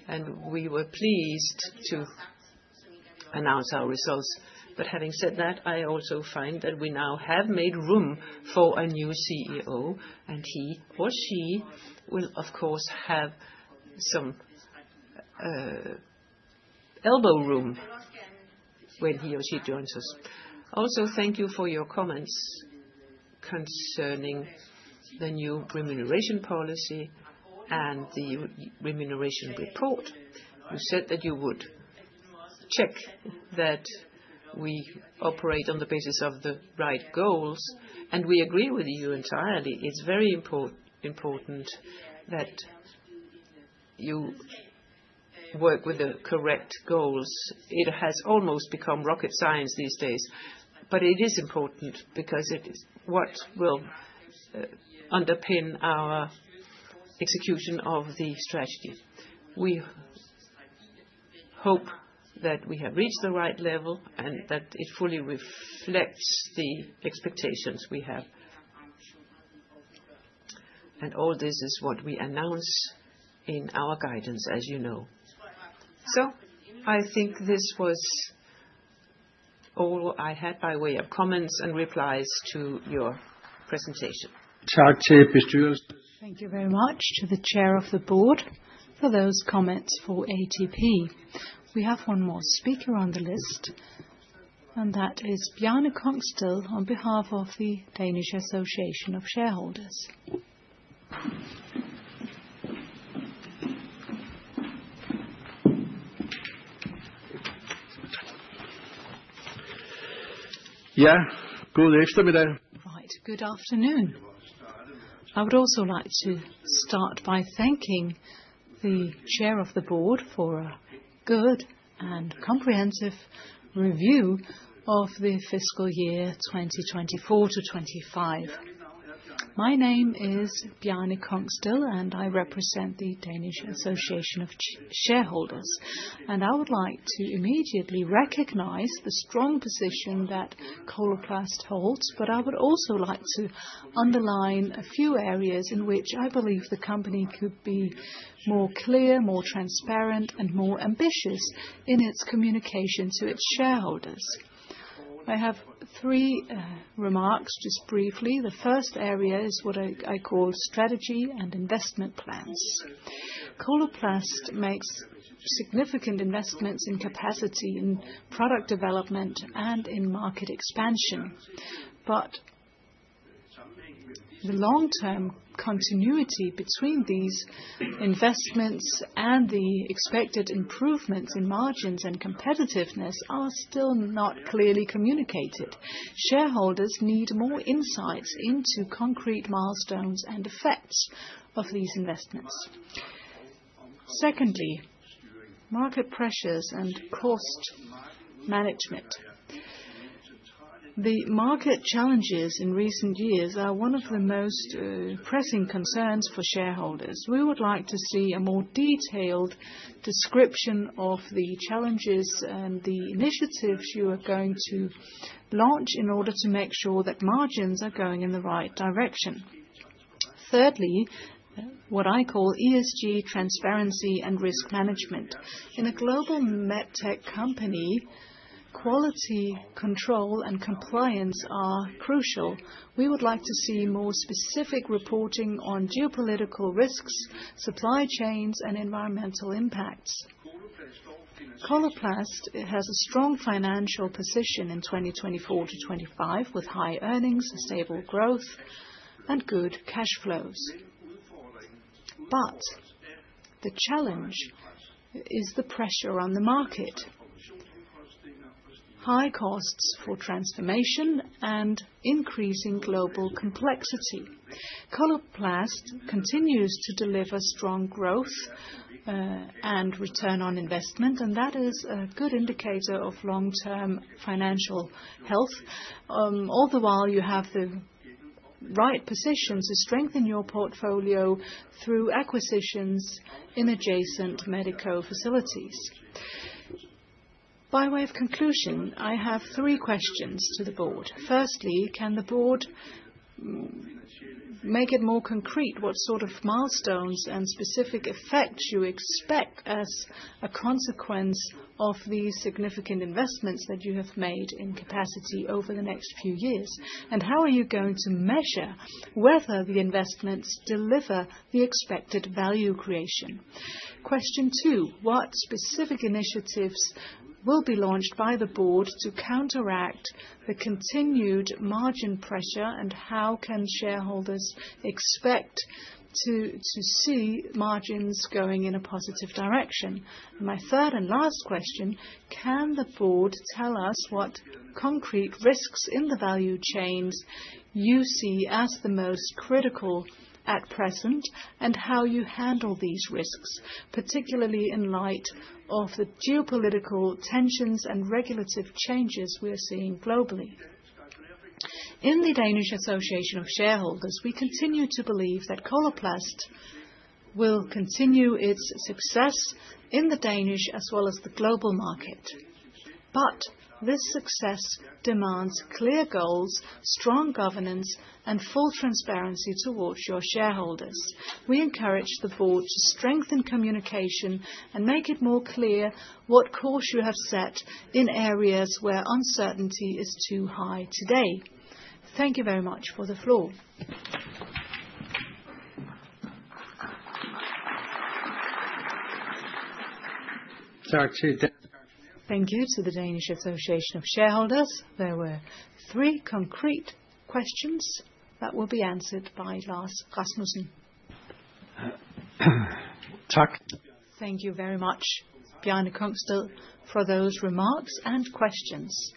[SPEAKER 1] and we were pleased to announce our results. Having said that, I also find that we now have made room for a new CEO, and he or she will, of course, have some elbow room when he or she joins us. Also, thank you for your comments concerning the new remuneration policy and the remuneration report. You said that you would check that we operate on the basis of the right goals, and we agree with you entirely. It's very important that you work with the correct goals. It has almost become rocket science these days, but it is important because it is what will underpin our execution of the strategy. We hope that we have reached the right level, and that it fully reflects the expectations we have. All this is what we announce in our guidance, as you know. I think this was all I had by way of comments and replies to your presentation.
[SPEAKER 2] Thank you very much to the chair of the board for those comments for ATP. We have one more speaker on the list, and that is Bjarne Kongsted, on behalf of the Danish Association of Shareholders. Yeah, good afternoon. Right, good afternoon. I would also like to start by thanking the chair of the board for a good and comprehensive review of the fiscal year 2024 to 2025. My name is Bjarne Kongsted, and I represent the Danish Association of Shareholders. I would like to immediately recognize the strong position that Coloplast holds, but I would also like to underline a few areas in which I believe the company could be more clear, more transparent, and more ambitious in its communication to its shareholders. I have three remarks, just briefly. The first area is what I call strategy and investment plans. Coloplast makes significant investments in capacity, in product development, and in market expansion. The long-term continuity between these investments and the expected improvements in margins and competitiveness are still not clearly communicated. Shareholders need more insights into concrete milestones and effects of these investments. Secondly, market pressures and cost management. The market challenges in recent years are one of the most pressing concerns for shareholders. We would like to see a more detailed description of the challenges and the initiatives you are going to launch in order to make sure that margins are going in the right direction. Thirdly, what I call ESG transparency and risk management. In a global med tech company, quality, control, and compliance are crucial. We would like to see more specific reporting on geopolitical risks, supply chains, and environmental impacts. Coloplast, it has a strong financial position in 2024-2025, with high earnings, sustainable growth, and good cash flows. The challenge is the pressure on the market, high costs for transformation, and increasing global complexity. Coloplast continues to deliver strong growth and return on investment, and that is a good indicator of long-term financial health. All the while, you have the right positions to strengthen your portfolio through acquisitions in adjacent medical facilities. By way of conclusion, I have three questions to the board. Firstly, can the board make it more concrete what sort of milestones and specific effects you expect as a consequence of the significant investments that you have made in capacity over the next few years? How are you going to measure whether the investments deliver the expected value creation? Question two: What specific initiatives will be launched by the board to counteract the continued margin pressure, and how can shareholders expect to see margins going in a positive direction? My third and last question: Can the board tell us what concrete risks in the value chains you see as the most critical at present, and how you handle these risks, particularly in light of the geopolitical tensions and regulative changes we are seeing globally? In the Danish Shareholders Association, we continue to believe that Coloplast will continue its success in the Danish as well as the global market. This success demands clear goals, strong governance, and full transparency towards your shareholders. We encourage the board to strengthen communication and make it more clear what course you have set in areas where uncertainty is too high today. Thank you very much for the floor.
[SPEAKER 1] Thank you to the Danish Shareholders Association. There were three concrete questions that will be answered by Lars Rasmussen. Thank you. Thank you very much, Bjarne Kongsted, for those remarks and questions.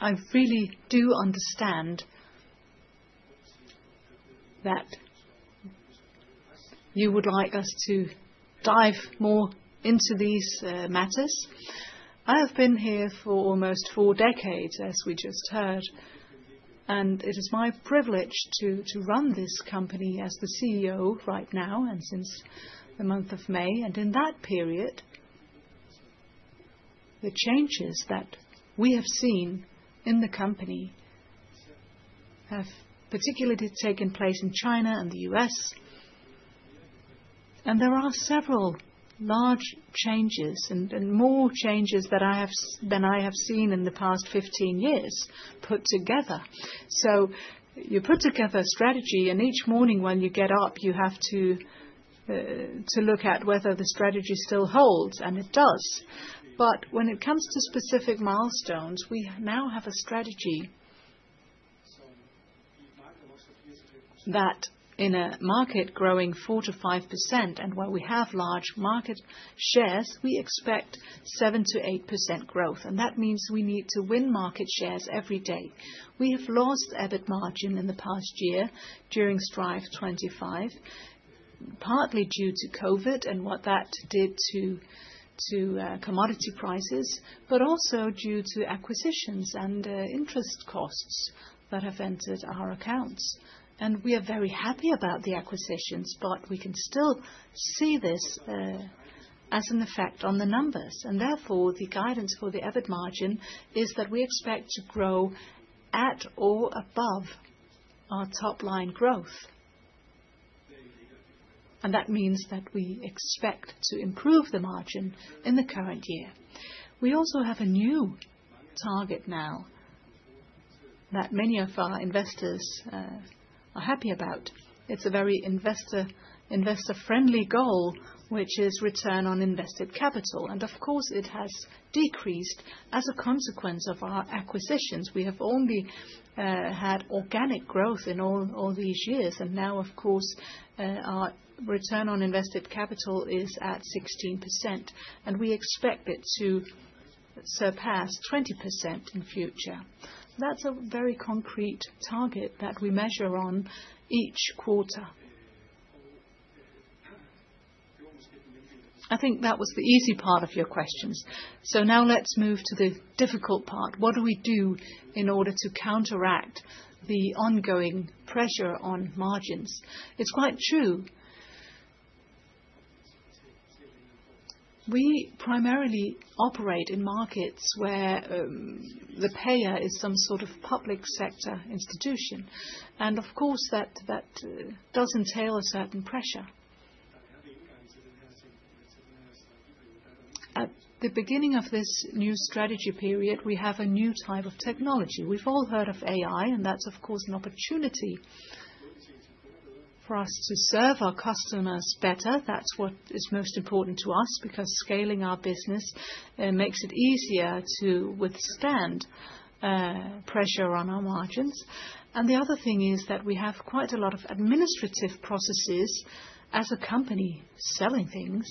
[SPEAKER 1] I really do understand that you would like us to dive more into these matters. I have been here for almost four decades, as we just heard, and it is my privilege to run this company as the CEO right now, and since the month of May. In that period, the changes that we have seen in the company have particularly taken place in China and the U.S.. There are several large changes, and more changes than I have seen in the past 15 years put together. You put together a strategy, and each morning when you get up, you have to look at whether the strategy still holds, and it does. When it comes to specific milestones, we now have a strategy that in a market growing 4%-5%, and where we have large market shares, we expect 7%-8% growth, and that means we need to win market shares every day. We have lost EBIT margin in the past year during Strive25, partly due to COVID and what that did to commodity prices, but also due to acquisitions and interest costs that have entered our accounts. We are very happy about the acquisitions, but we can still see this as an effect on the numbers, and therefore, the guidance for the EBIT margin is that we expect to grow at or above our top line growth. That means that we expect to improve the margin in the current year. We also have a new target now that many of our investors are happy about. It's a very investor-friendly goal, which is return on invested capital. Of course, it has decreased as a consequence of our acquisitions. We have only had organic growth in all these years, now, of course, our return on invested capital is at 16%, we expect it to surpass 20% in future. That's a very concrete target that we measure on each quarter. I think that was the easy part of your questions. Now let's move to the difficult part. What do we do in order to counteract the ongoing pressure on margins? It's quite true. We primarily operate in markets where the payer is some sort of public sector institution, of course, that does entail a certain pressure. At the beginning of this new strategy period, we have a new type of technology. We've all heard of AI. That's, of course, an opportunity for us to serve our customers better. That's what is most important to us, because scaling our business makes it easier to withstand pressure on our margins. The other thing is that we have quite a lot of administrative processes as a company selling things,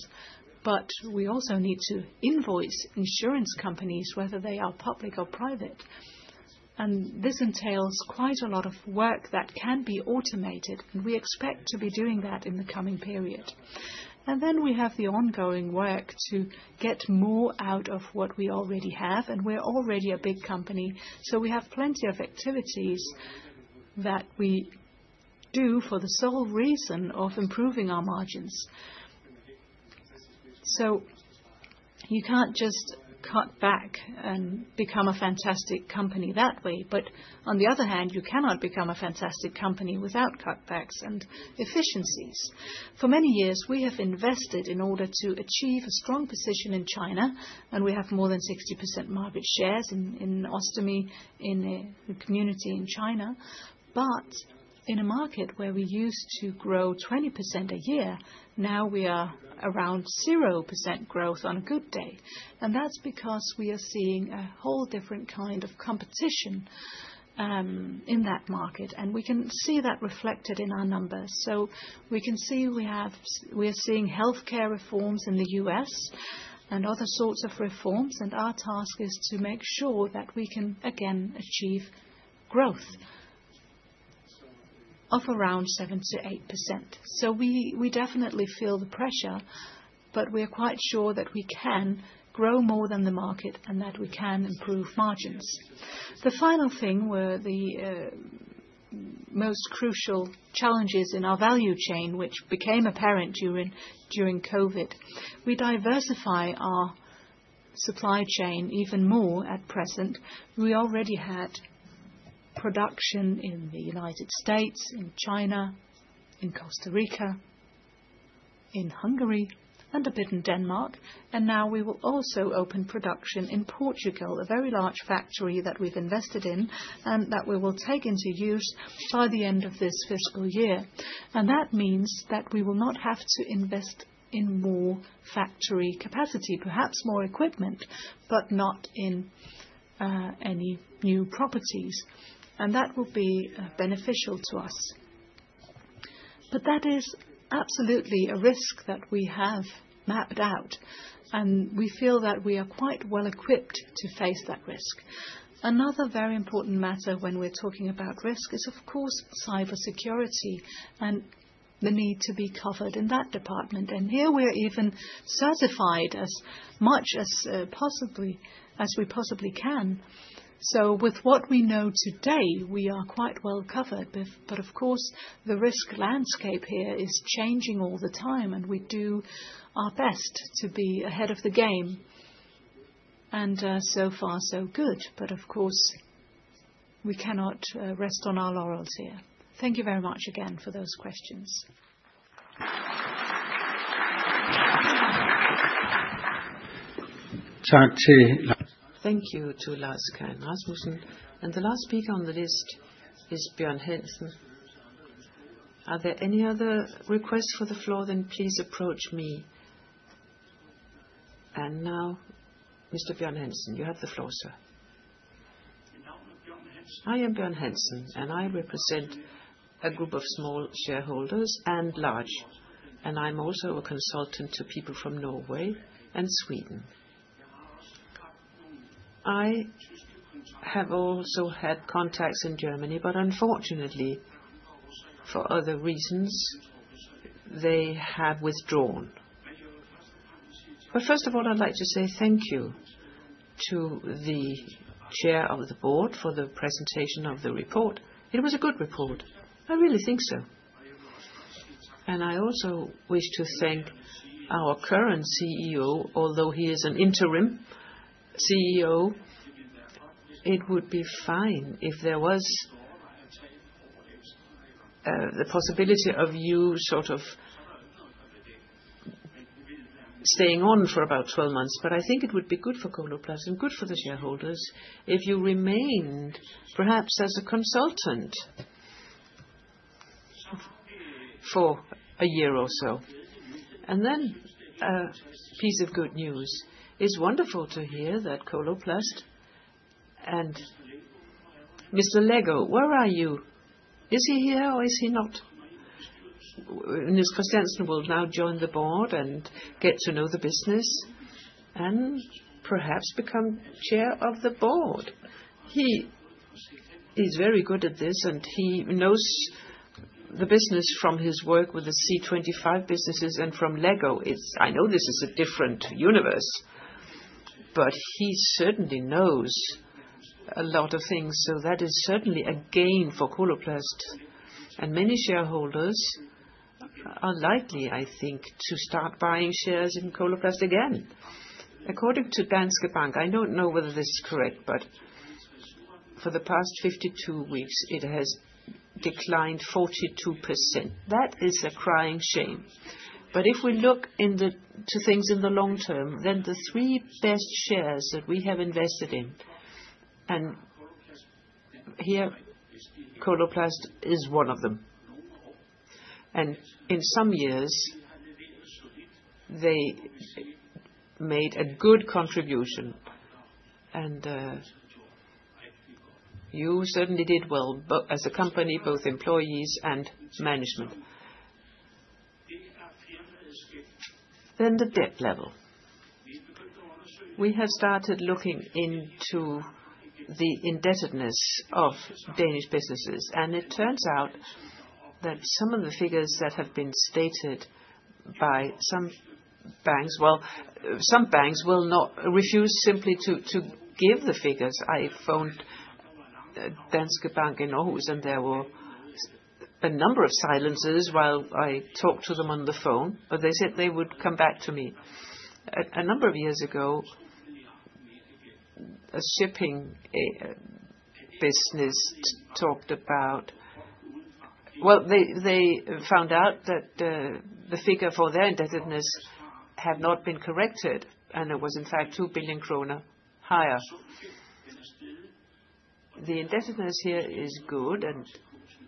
[SPEAKER 1] but we also need to invoice insurance companies, whether they are public or private. This entails quite a lot of work that can be automated, and we expect to be doing that in the coming period. We have the ongoing work to get more out of what we already have, and we're already a big company, so we have plenty of activities that we do for the sole reason of improving our margins. You can't just cut back and become a fantastic company that way, but on the other hand, you cannot become a fantastic company without cutbacks and efficiencies. For many years, we have invested in order to achieve a strong position in China, and we have more than 60% market shares in Ostomy, in the community in China. In a market where we used to grow 20% a year, now we are around 0% growth on a good day. That's because we are seeing a whole different kind of competition in that market, and we can see that reflected in our numbers. We can see we're seeing healthcare reforms in the U.S. and other sorts of reforms, and our task is to make sure that we can again achieve growth of around 7%-8%.
[SPEAKER 2] We definitely feel the pressure, but we are quite sure that we can grow more than the market and that we can improve margins. The final thing were the most crucial challenges in our value chain, which became apparent during COVID. We diversify our supply chain even more at present. We already had production in the United States, in China, in Costa Rica, in Hungary, and a bit in Denmark, and now we will also open production in Portugal, a very large factory that we've invested in and that we will take into use by the end of this fiscal year. That means that we will not have to invest in more factory capacity, perhaps more equipment, but not in any new properties, and that will be beneficial to us. That is absolutely a risk that we have mapped out, and we feel that we are quite well-equipped to face that risk. Another very important matter when we're talking about risk is, of course, cybersecurity, and the need to be covered in that department. Here we are even certified as much as we possibly can. With what we know today, we are quite well-covered. Of course, the risk landscape here is changing all the time, and we do our best to be ahead of the game. So far, so good. Of course, we cannot rest on our laurels here. Thank you very much again for those questions.
[SPEAKER 1] Thank you to Lars Kai Rasmussen. The last speaker on the list is Bjørn Hansen. Are there any other requests for the floor, please approach me. Now, Mr. Bjørn Hansen, you have the floor, sir. I am Bjørn Hansen, and I represent a group of small shareholders, and large, and I'm also a consultant to people from Norway and Sweden. I have also had contacts in Germany, but unfortunately, for other reasons, they have withdrawn. First of all, I'd like to say thank you to the chair of the board for the presentation of the report. It was a good report. I really think so. I also wish to thank our current CEO, although he is an interim CEO, it would be fine if there was the possibility of you sort of staying on for about 12 months. I think it would be good for Coloplast and good for the shareholders if you remained, perhaps as a consultant for a year or so. A piece of good news. It's wonderful to hear that Coloplast and Mr. Lego, where are you? Is he here or is he not? Mr. Christiansen will now join the board and get to know the business, and perhaps become chair of the board. He is very good at this, and he knows the business from his work with the C-25 businesses and from Lego. I know this is a different universe, but he certainly knows a lot of things, so that is certainly a gain for Coloplast, and many shareholders are likely, I think, to start buying shares in Coloplast again. According to Danske Bank, I don't know whether this is correct, for the past 52 weeks, it has declined 42%. That is a crying shame. If we look in the, to things in the long term, the three best shares that we have invested in, and here, Coloplast is one of them. In some years, they made a good contribution. You certainly did well as a company, both employees and management. The debt level. We have started looking into the indebtedness of Danish businesses, and it turns out that some of the figures that have been stated by some banks, well, some banks will not refuse simply to give the figures.
[SPEAKER 2] I phoned Danske Bank in Aarhus, there were a number of silences while I talked to them on the phone, but they said they would come back to me. A number of years ago, a shipping business talked about. Well, they found out that the figure for their indebtedness had not been corrected, it was in fact 2 billion kroner higher. The indebtedness here is good,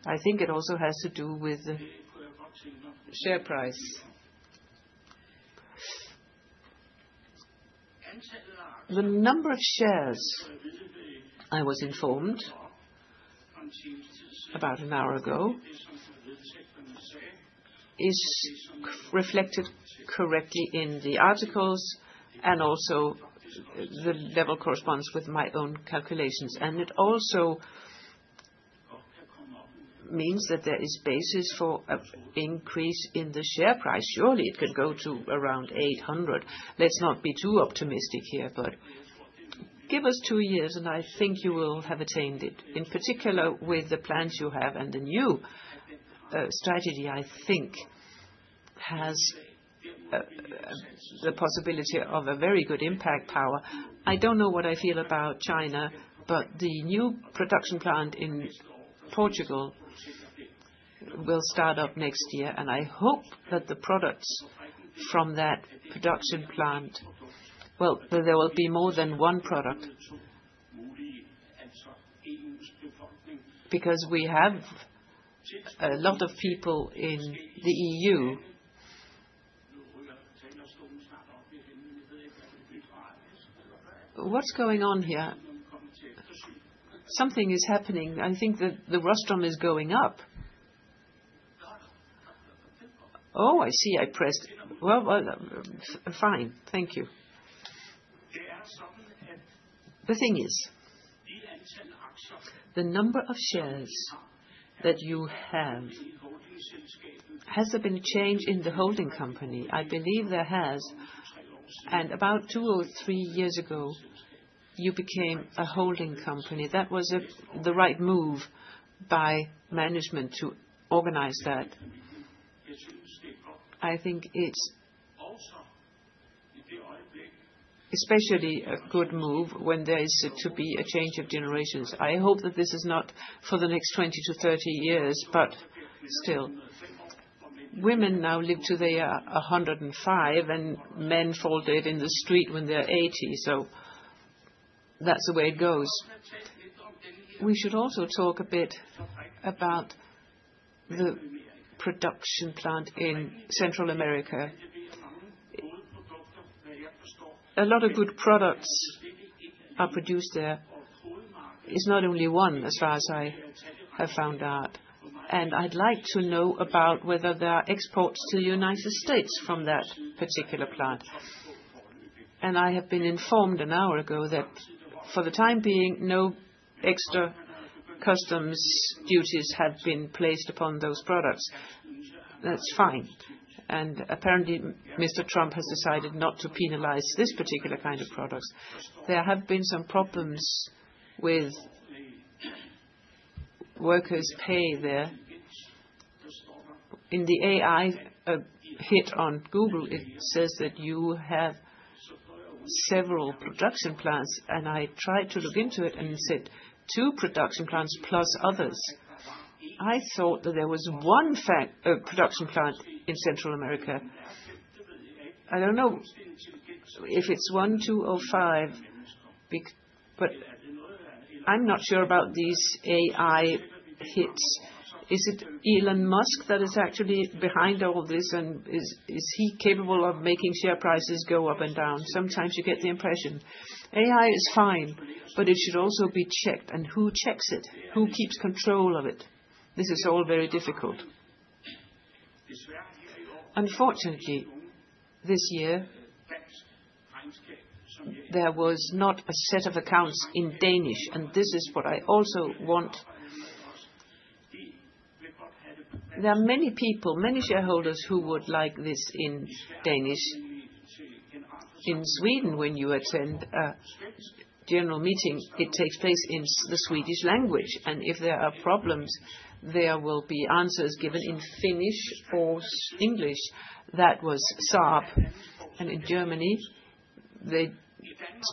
[SPEAKER 2] I think it also has to do with the share price. The number of shares, I was informed about an hour ago, is reflected correctly in the articles, and also the level corresponds with my own calculations. It also means that there is basis for an increase in the share price. Surely, it can go to around 800.
[SPEAKER 1] Let's not be too optimistic here, but give us two years, and I think you will have attained it, in particular, with the plans you have and the new strategy, I think, has the possibility of a very good impact power. I don't know what I feel about China, but the new production plant in Portugal will start up next year, and I hope that the products from that production plant, well, that there will be more than 1 product. We have a lot of people in the EU. What's going on here? Something is happening. I think that the rostrum is going up. I see, I pressed. Well, well, fine. Thank you. The thing is, the number of shares that you have, has there been a change in the holding company? I believe there has, about two or three years ago, you became a holding company. That was a, the right move by management to organize that. I think it's especially a good move when there is to be a change of generations. I hope that this is not for the next 20 to 30 years, but still. Women now live till they are 105, men fall dead in the street when they're 80, that's the way it goes. We should also talk a bit about the production plant in Central America. A lot of good products are produced there. It's not only one, as far as I have found out, I'd like to know about whether there are exports to the United States from that particular plant. I have been informed an hour ago that for the time being, no extra customs duties have been placed upon those products. That's fine, and apparently, Mr. Trump has decided not to penalize this particular kind of products. There have been some problems with workers' pay there. In the AI hit on Google, it says that you have several production plants, and I tried to look into it, and it said two production plants, plus others. I thought that there was one production plant in Central America. I don't know if it's one, two or five, but I'm not sure about these AI hits. Is it Elon Musk that is actually behind all this, and is he capable of making share prices go up and down? Sometimes you get the impression. AI is fine, but it should also be checked, and who checks it? Who keeps control of it? This is all very difficult. Unfortunately, this year, there was not a set of accounts in Danish, and this is what I also want. There are many people, many shareholders, who would like this in Danish. In Sweden, when you attend a general meeting, it takes place in the Swedish language, and if there are problems, there will be answers given in Finnish or English. That was SAAB, and in Germany, they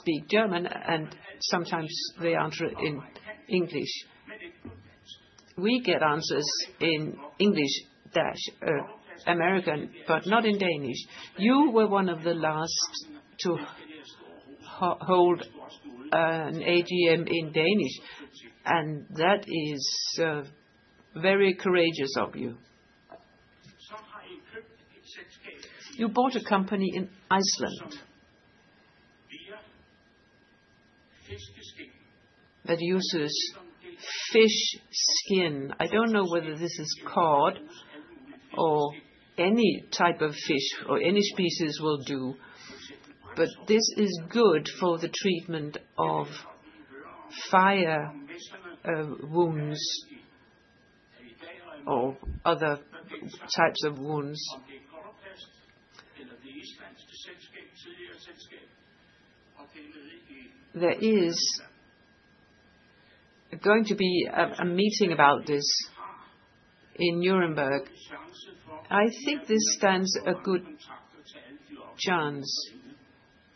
[SPEAKER 1] speak German, and sometimes they answer in English. We get answers in English, American, but not in Danish. You were one of the last to hold an AGM in Danish, and that is very courageous of you. You bought a company in Iceland that uses fish skin. I don't know whether this is cod or any type of fish, or any species will do. This is good for the treatment of fire wounds or other types of wounds. There is going to be a meeting about this in Nuremberg. I think this stands a good chance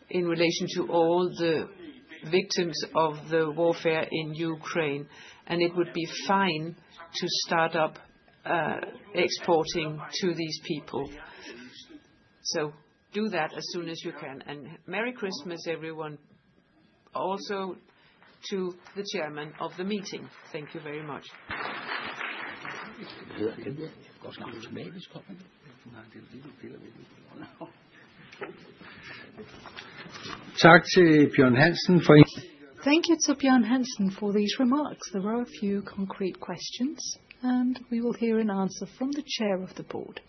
[SPEAKER 1] in relation to all the victims of the warfare in Ukraine, and it would be fine to start up exporting to these people. Do that as soon as you can, and Merry Christmas, everyone, also to the chairman of the meeting. Thank you very much.
[SPEAKER 2] Thank you to Bjørn Hansen for these remarks. There were a few concrete questions, and we will hear an answer from the chair of the board.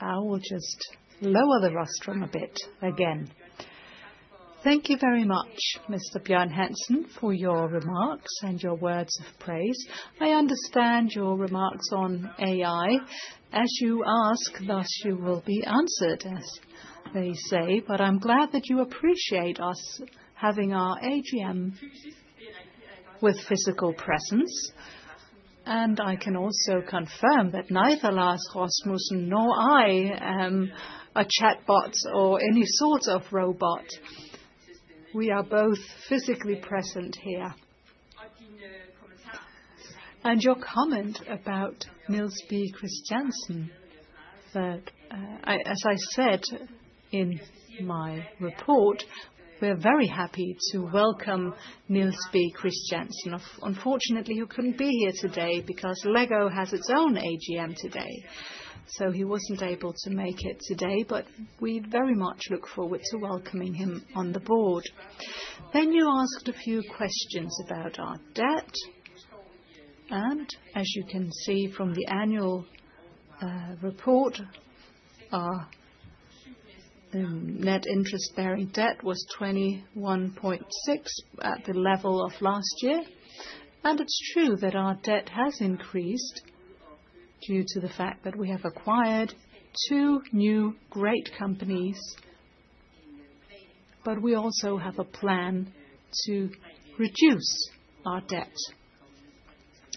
[SPEAKER 2] I will just lower the rostrum a bit, again. Thank you very much, Mr. Bjørn Hansen, for your remarks and your words of praise. I understand your remarks on AI. As you ask, thus, you will be answered, as they say, but I'm glad that you appreciate us having our AGM with physical presence. I can also confirm that neither Lars Rasmussen nor I am a chatbot or any sort of robot. We are both physically present here. Your comment about Niels B. Christiansen, that, in my report, we're very happy to welcome Niels B. Christiansen. Unfortunately, he couldn't be here today because Lego has its own AGM today, so he wasn't able to make it today, but we very much look forward to welcoming him on the board. You asked a few questions about our debt, as you can see from the annual report, our net interest-bearing debt was 21.6 at the level of last year. It's true that our debt has increased due to the fact that we have acquired two new great companies. We also have a plan to reduce our debt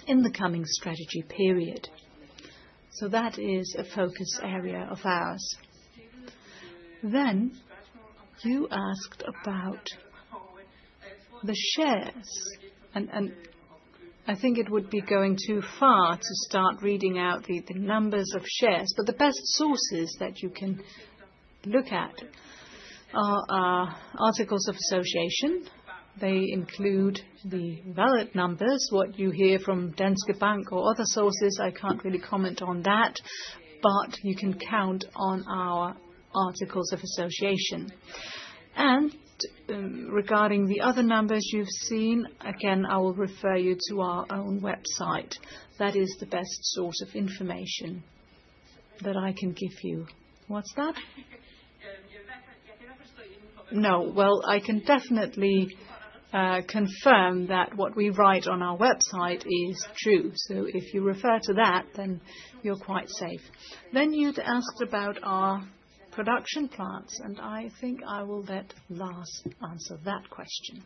[SPEAKER 2] in the coming strategy period. That is a focus area of ours. You asked about the shares, and I think it would be going too far to start reading out the numbers of shares. The best sources that you can look at are our Articles of Association. They include the ballot numbers, what you hear from Danske Bank or other sources, I can't really comment on that, but you can count on our articles of association. Regarding the other numbers you've seen, again, I will refer you to our own website. That is the best source of information that I can give you. What's that? No. I can definitely confirm that what we write on our website is true, so if you refer to that, then you're quite safe. You'd asked about our production plants, and I think I will let Lars answer that question.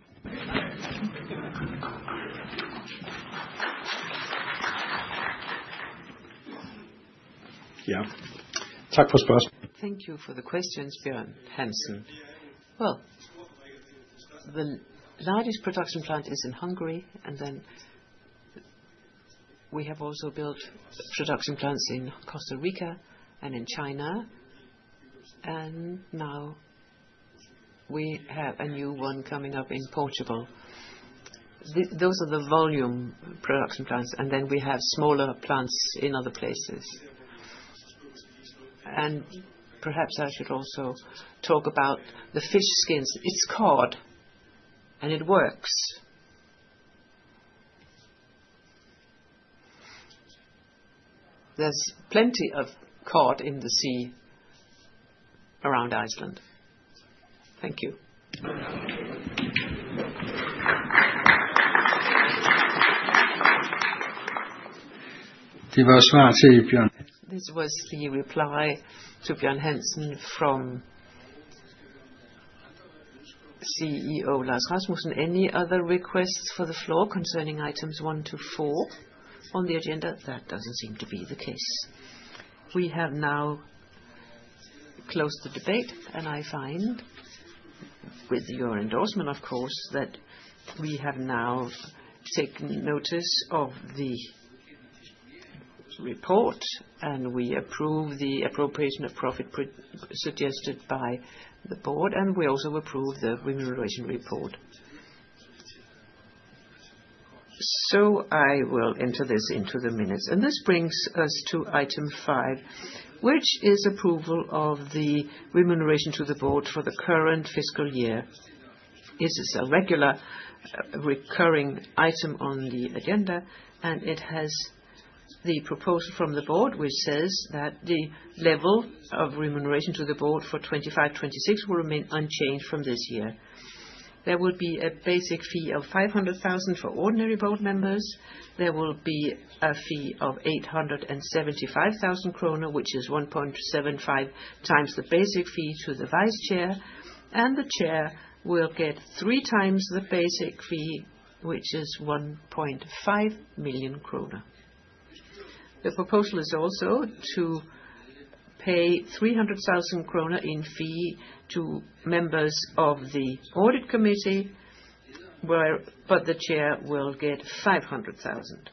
[SPEAKER 2] Yeah.
[SPEAKER 1] Thank you for the questions, Bjørn Hansen. Well, the largest production plant is in Hungary, and then we have also built production plants in Costa Rica and in China, and now we have a new one coming up in Portugal. Those are the volume production plants, and then we have smaller plants in other places. Perhaps I should also talk about the fish skins. It's cod, and it works. There's plenty of cod in the sea around Iceland. Thank you. This was the reply to Bjørn Hansen from CEO Lars Rasmussen. Any other requests for the floor concerning items one to four on the agenda? That doesn't seem to be the case. We have now closed the debate, I find, with your endorsement, of course, that we have now taken notice of the report, we approve the appropriation of profit suggested by the board, we also approve the remuneration report. I will enter this into the minutes. This brings us to item five, which is approval of the remuneration to the board for the current fiscal year. It has the proposal from the board, which says that the level of remuneration to the board for 2025-2026 will remain unchanged from this year. There will be a basic fee of 500,000 for ordinary board members. There will be a fee of 875,000 kroner, which is 1.75x the basic fee to the vice chair. The chair will get 3x the basic fee, which is 1.5 million kroner. The proposal is also to pay 300,000 kroner in fee to members of the audit committee. The chair will get 500,000.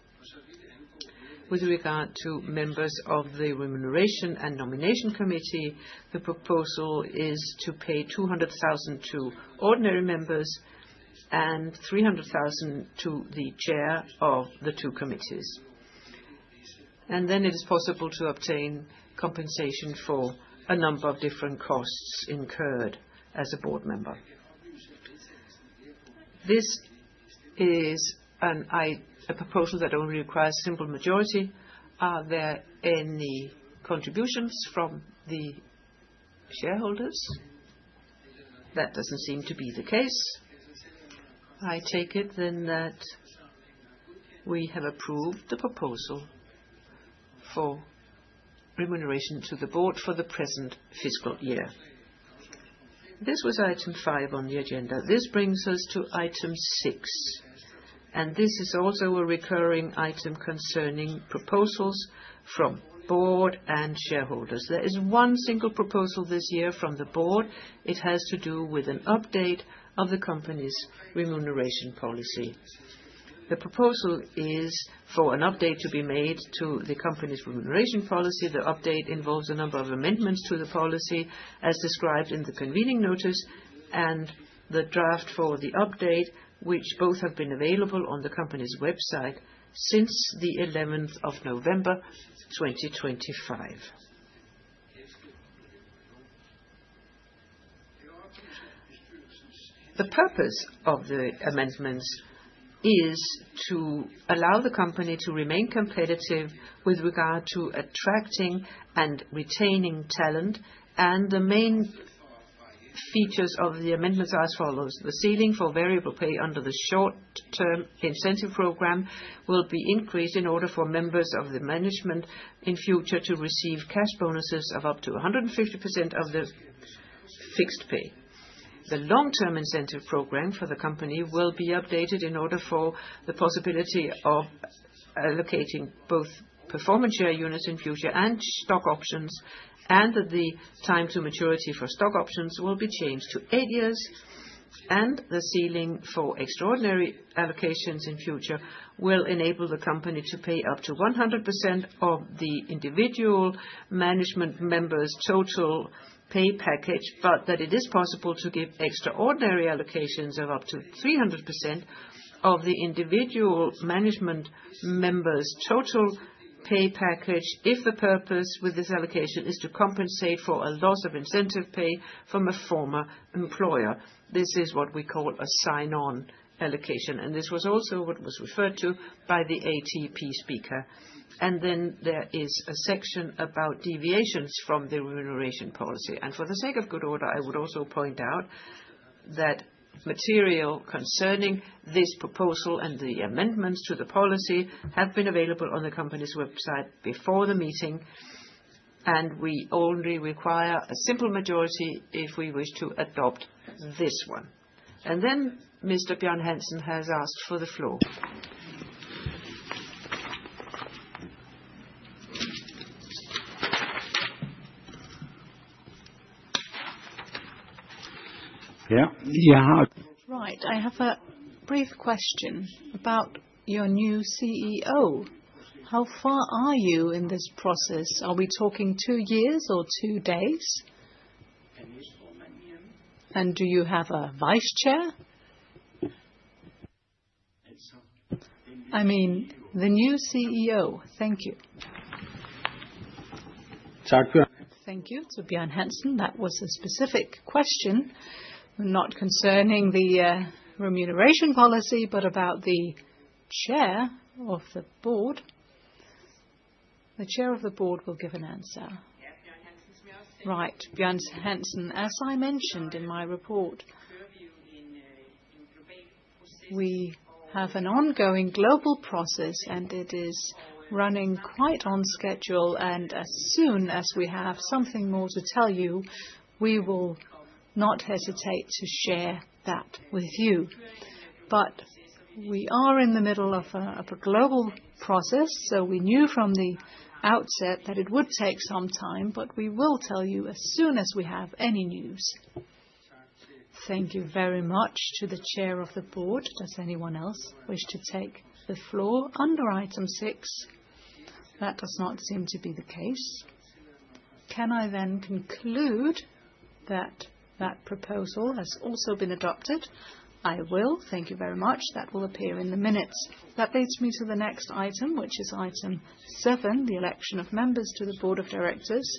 [SPEAKER 1] With regard to members of the Remuneration and Nomination Committee, the proposal is to pay 200,000 to ordinary members and 300,000 to the chair of the two committees. It is possible to obtain compensation for a number of different costs incurred as a board member. This is a proposal that only requires simple majority. Are there any contributions from the shareholders? That doesn't seem to be the case. I take it then, that we have approved the proposal for remuneration to the board for the present fiscal year. This was item five on the agenda. This brings us to item six. This is also a recurring item concerning proposals from board and shareholders. There is one single proposal this year from the board. It has to do with an update of the company's remuneration policy. The proposal is for an update to be made to the company's remuneration policy. The update involves a number of amendments to the policy, as described in the convening notice and the draft for the update, which both have been available on the company's website since the 11 November, 2025. The purpose of the amendments is to allow the company to remain competitive with regard to attracting and retaining talent, the main features of the amendments are as follows: the ceiling for variable pay under the short-term incentive program will be increased in order for members of the management, in future, to receive cash bonuses of up to 150% of their fixed pay. The long-term incentive program for the company will be updated in order for the possibility of allocating both performance share units in future and stock options, the time to maturity for stock options will be changed to eight years. The ceiling for extraordinary allocations in future will enable the company to pay up to 100% of the individual management members' total pay package, but that it is possible to give extraordinary allocations of up to 300% of the individual management members' total pay package, if the purpose with this allocation is to compensate for a loss of incentive pay from a former employer. This is what we call a sign-on allocation, and this was also what was referred to by the ATP speaker. There is a section about deviations from the remuneration policy. For the sake of good order, I would also point out that material concerning this proposal and the amendments to the policy have been available on the company's website before the meeting, and we only require a simple majority if we wish to adopt this one. Mr. Bjørn Hansen has asked for the floor. Yeah. Yeah.
[SPEAKER 2] Right. I have a brief question about your new CEO. How far are you in this process? Are we talking two years or two days? Do you have a vice chair? I mean, the new CEO. Thank you. Thank you to Bjørn Hansen. That was a specific question, not concerning the remuneration policy, but about the chair of the board. The chair of the board will give an answer. Right, Bjørn Hansen, as I mentioned in my report, we have an ongoing global process, and it is running quite on schedule, and as soon as we have something more to tell you, we will not hesitate to share that with you. We are in the middle of a global process, so we knew from the outset that it would take some time, but we will tell you as soon as we have any news. Thank you very much to the chair of the board. Does anyone else wish to take the floor under item six? That does not seem to be the case. Can I conclude that that proposal has also been adopted? I will. Thank you very much. That will appear in the minutes. That leads me to the next item, which is item seven, the election of members to the board of directors.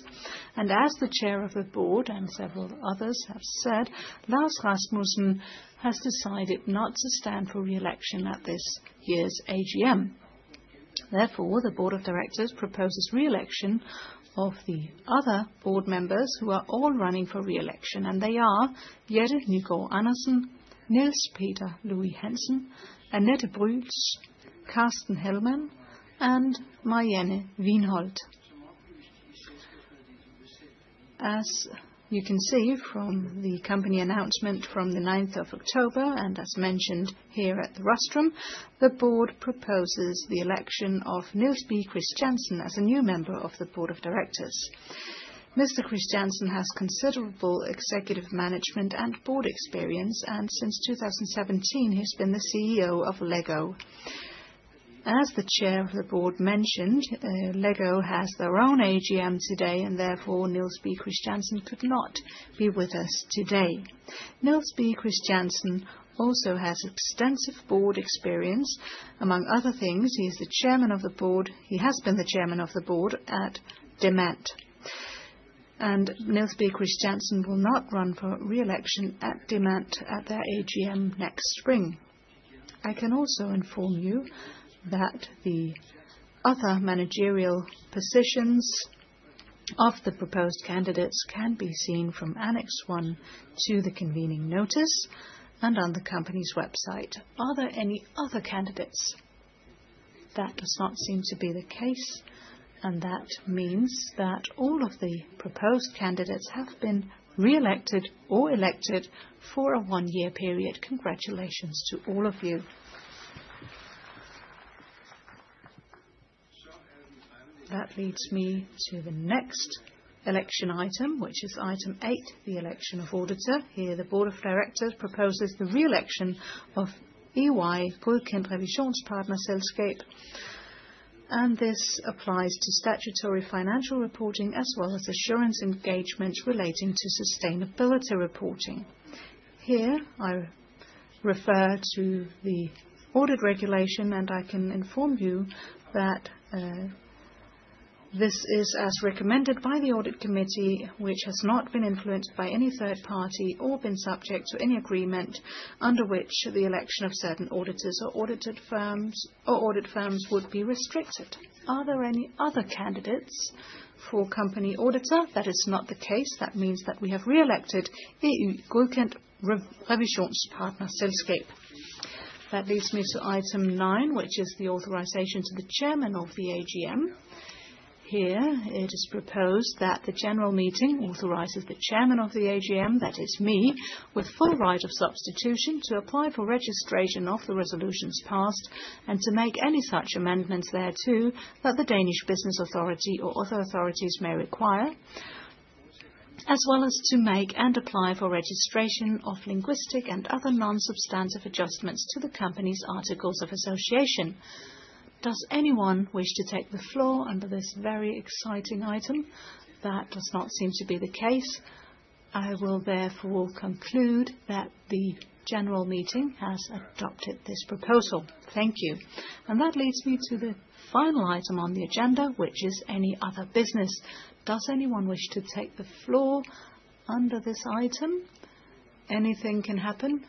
[SPEAKER 2] As the Chair of the Board and several others have said, Lars Rasmussen has decided not to stand for re-election at this year's AGM. The board of directors proposes re-election of the other board members who are all running for re-election, and they are: Jette Nygaard-Andersen, Niels Peter Louis-Hansen, Annette Brüls, Carsten Hellmann, and Marianne Wiinholt. You can see from the company announcement from the 9 October, and as mentioned here at the rostrum, the board proposes the election of Niels B. Christiansen as a new member of the board of directors. Mr. Christiansen has considerable executive management and board experience. Since 2017, he's been the CEO of Lego. As the Chair of the Board mentioned, Lego has their own AGM today. Therefore, Niels B. Christiansen could not be with us today. Niels B. Christiansen also has extensive board experience. Among other things, he has been the chairman of the board at Demant. Niels B. Christiansen will not run for re-election at Demant at their AGM next spring. I can also inform you that the other managerial positions of the proposed candidates can be seen from annex 1 to the convening notice and on the company's website. Are there any other candidates? That does not seem to be the case, and that means that all of the proposed candidates have been re-elected or elected for a one-year period. Congratulations to all of you. That leads me to the next election item, which is item eight, the election of auditor. Here, the board of directors proposes the re-election of EY Godkendt Revisionspartnerselskab. This applies to statutory financial reporting as well as assurance engagements relating to sustainability reporting. Here, I refer to the audit regulation. I can inform you that. This is as recommended by the audit committee, which has not been influenced by any third party or been subject to any agreement under which the election of certain auditors or audited firms, or audit firms would be restricted. Are there any other candidates for company auditor? That is not the case. Means that we have re-elected the EY Godkendt Revisionspartnerselskab. Leads me to item nine, which is the authorization to the chairman of the AGM. Here, it is proposed that the general meeting authorizes the chairman of the AGM, that is me, with full right of substitution to apply for registration of the resolutions passed, and to make any such amendments thereto, that the Danish Business Authority or other authorities may require. To make and apply for registration of linguistic and other non-substantive adjustments to the company's articles of association. Does anyone wish to take the floor under this very exciting item? That does not seem to be the case. I will therefore conclude that the general meeting has adopted this proposal. Thank you. That leads me to the final item on the agenda, which is any other business. Does anyone wish to take the floor under this item? Anything can happen.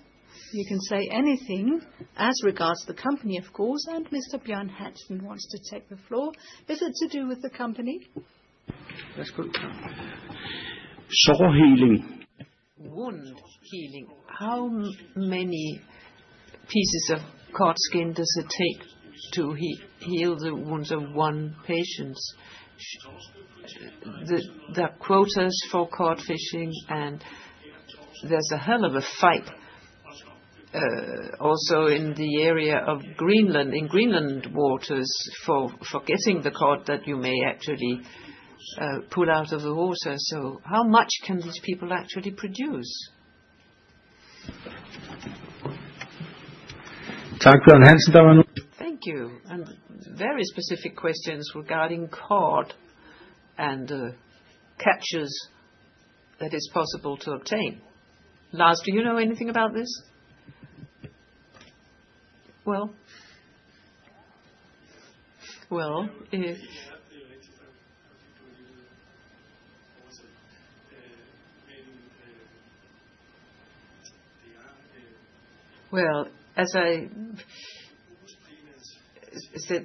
[SPEAKER 2] You can say anything as regards to the company, of course. Mr. Bjørn Hansen wants to take the floor. Is it to do with the company? That's good. Sore healing.
[SPEAKER 1] Wound healing. How many pieces of cod skin does it take to heal the wounds of one patient? There are quotas for cod fishing, there's a hell of a fight also in the area of Greenland, in Greenland waters, for getting the cod that you may actually pull out of the water. How much can these people actually produce? Thank you, Hansen. Thank you. Very specific questions regarding cod and catches that is possible to obtain. Lars, do you know anything about this?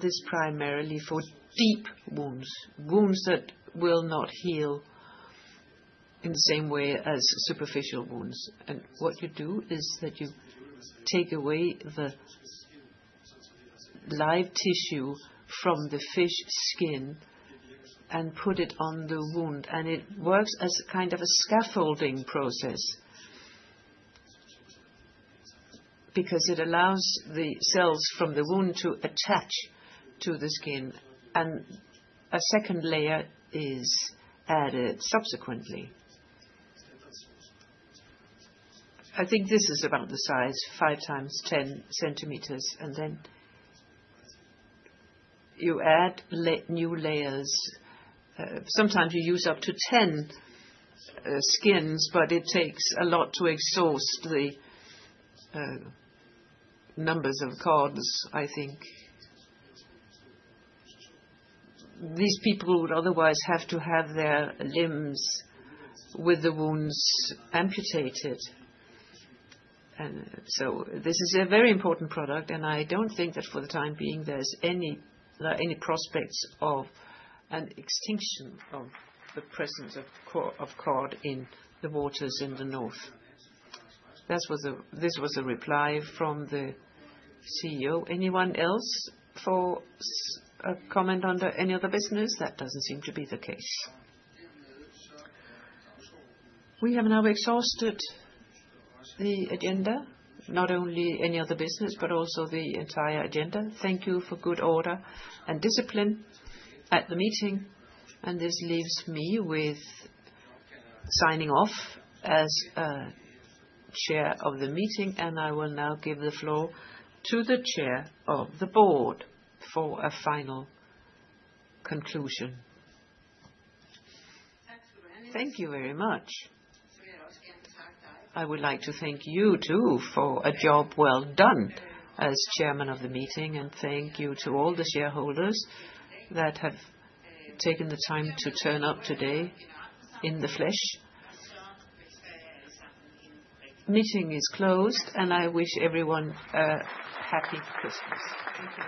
[SPEAKER 1] This primarily for deep wounds that will not heal in the same way as superficial wounds. What you do is that you take away the live tissue from the fish skin and put it on the wound, and it works as kind of a scaffolding process. It allows the cells from the wound to attach to the skin, and a second layer is added subsequently. I think this is about the size, 5 x 10cm, and then you add new layers. Sometimes you use up to 10 skins, but it takes a lot to exhaust the numbers of cods, I think. These people would otherwise have to have their limbs with the wounds amputated. This is a very important product, and I don't think that for the time being, there's any prospects of an extinction of the presence of cod in the waters in the north. This was a reply from the CEO. Anyone else for a comment under any other business? That doesn't seem to be the case. We have now exhausted the agenda, not only any other business, but also the entire agenda. Thank you for good order and discipline at the meeting, and this leaves me with signing off as chair of the meeting, and I will now give the floor to the chair of the board for a final conclusion. Thank you very much. I would like to thank you, too, for a job well done as chairman of the meeting, and thank you to all the shareholders that have taken the time to turn up today in the flesh. Meeting is closed, and I wish everyone a happy Christmas. Thank you.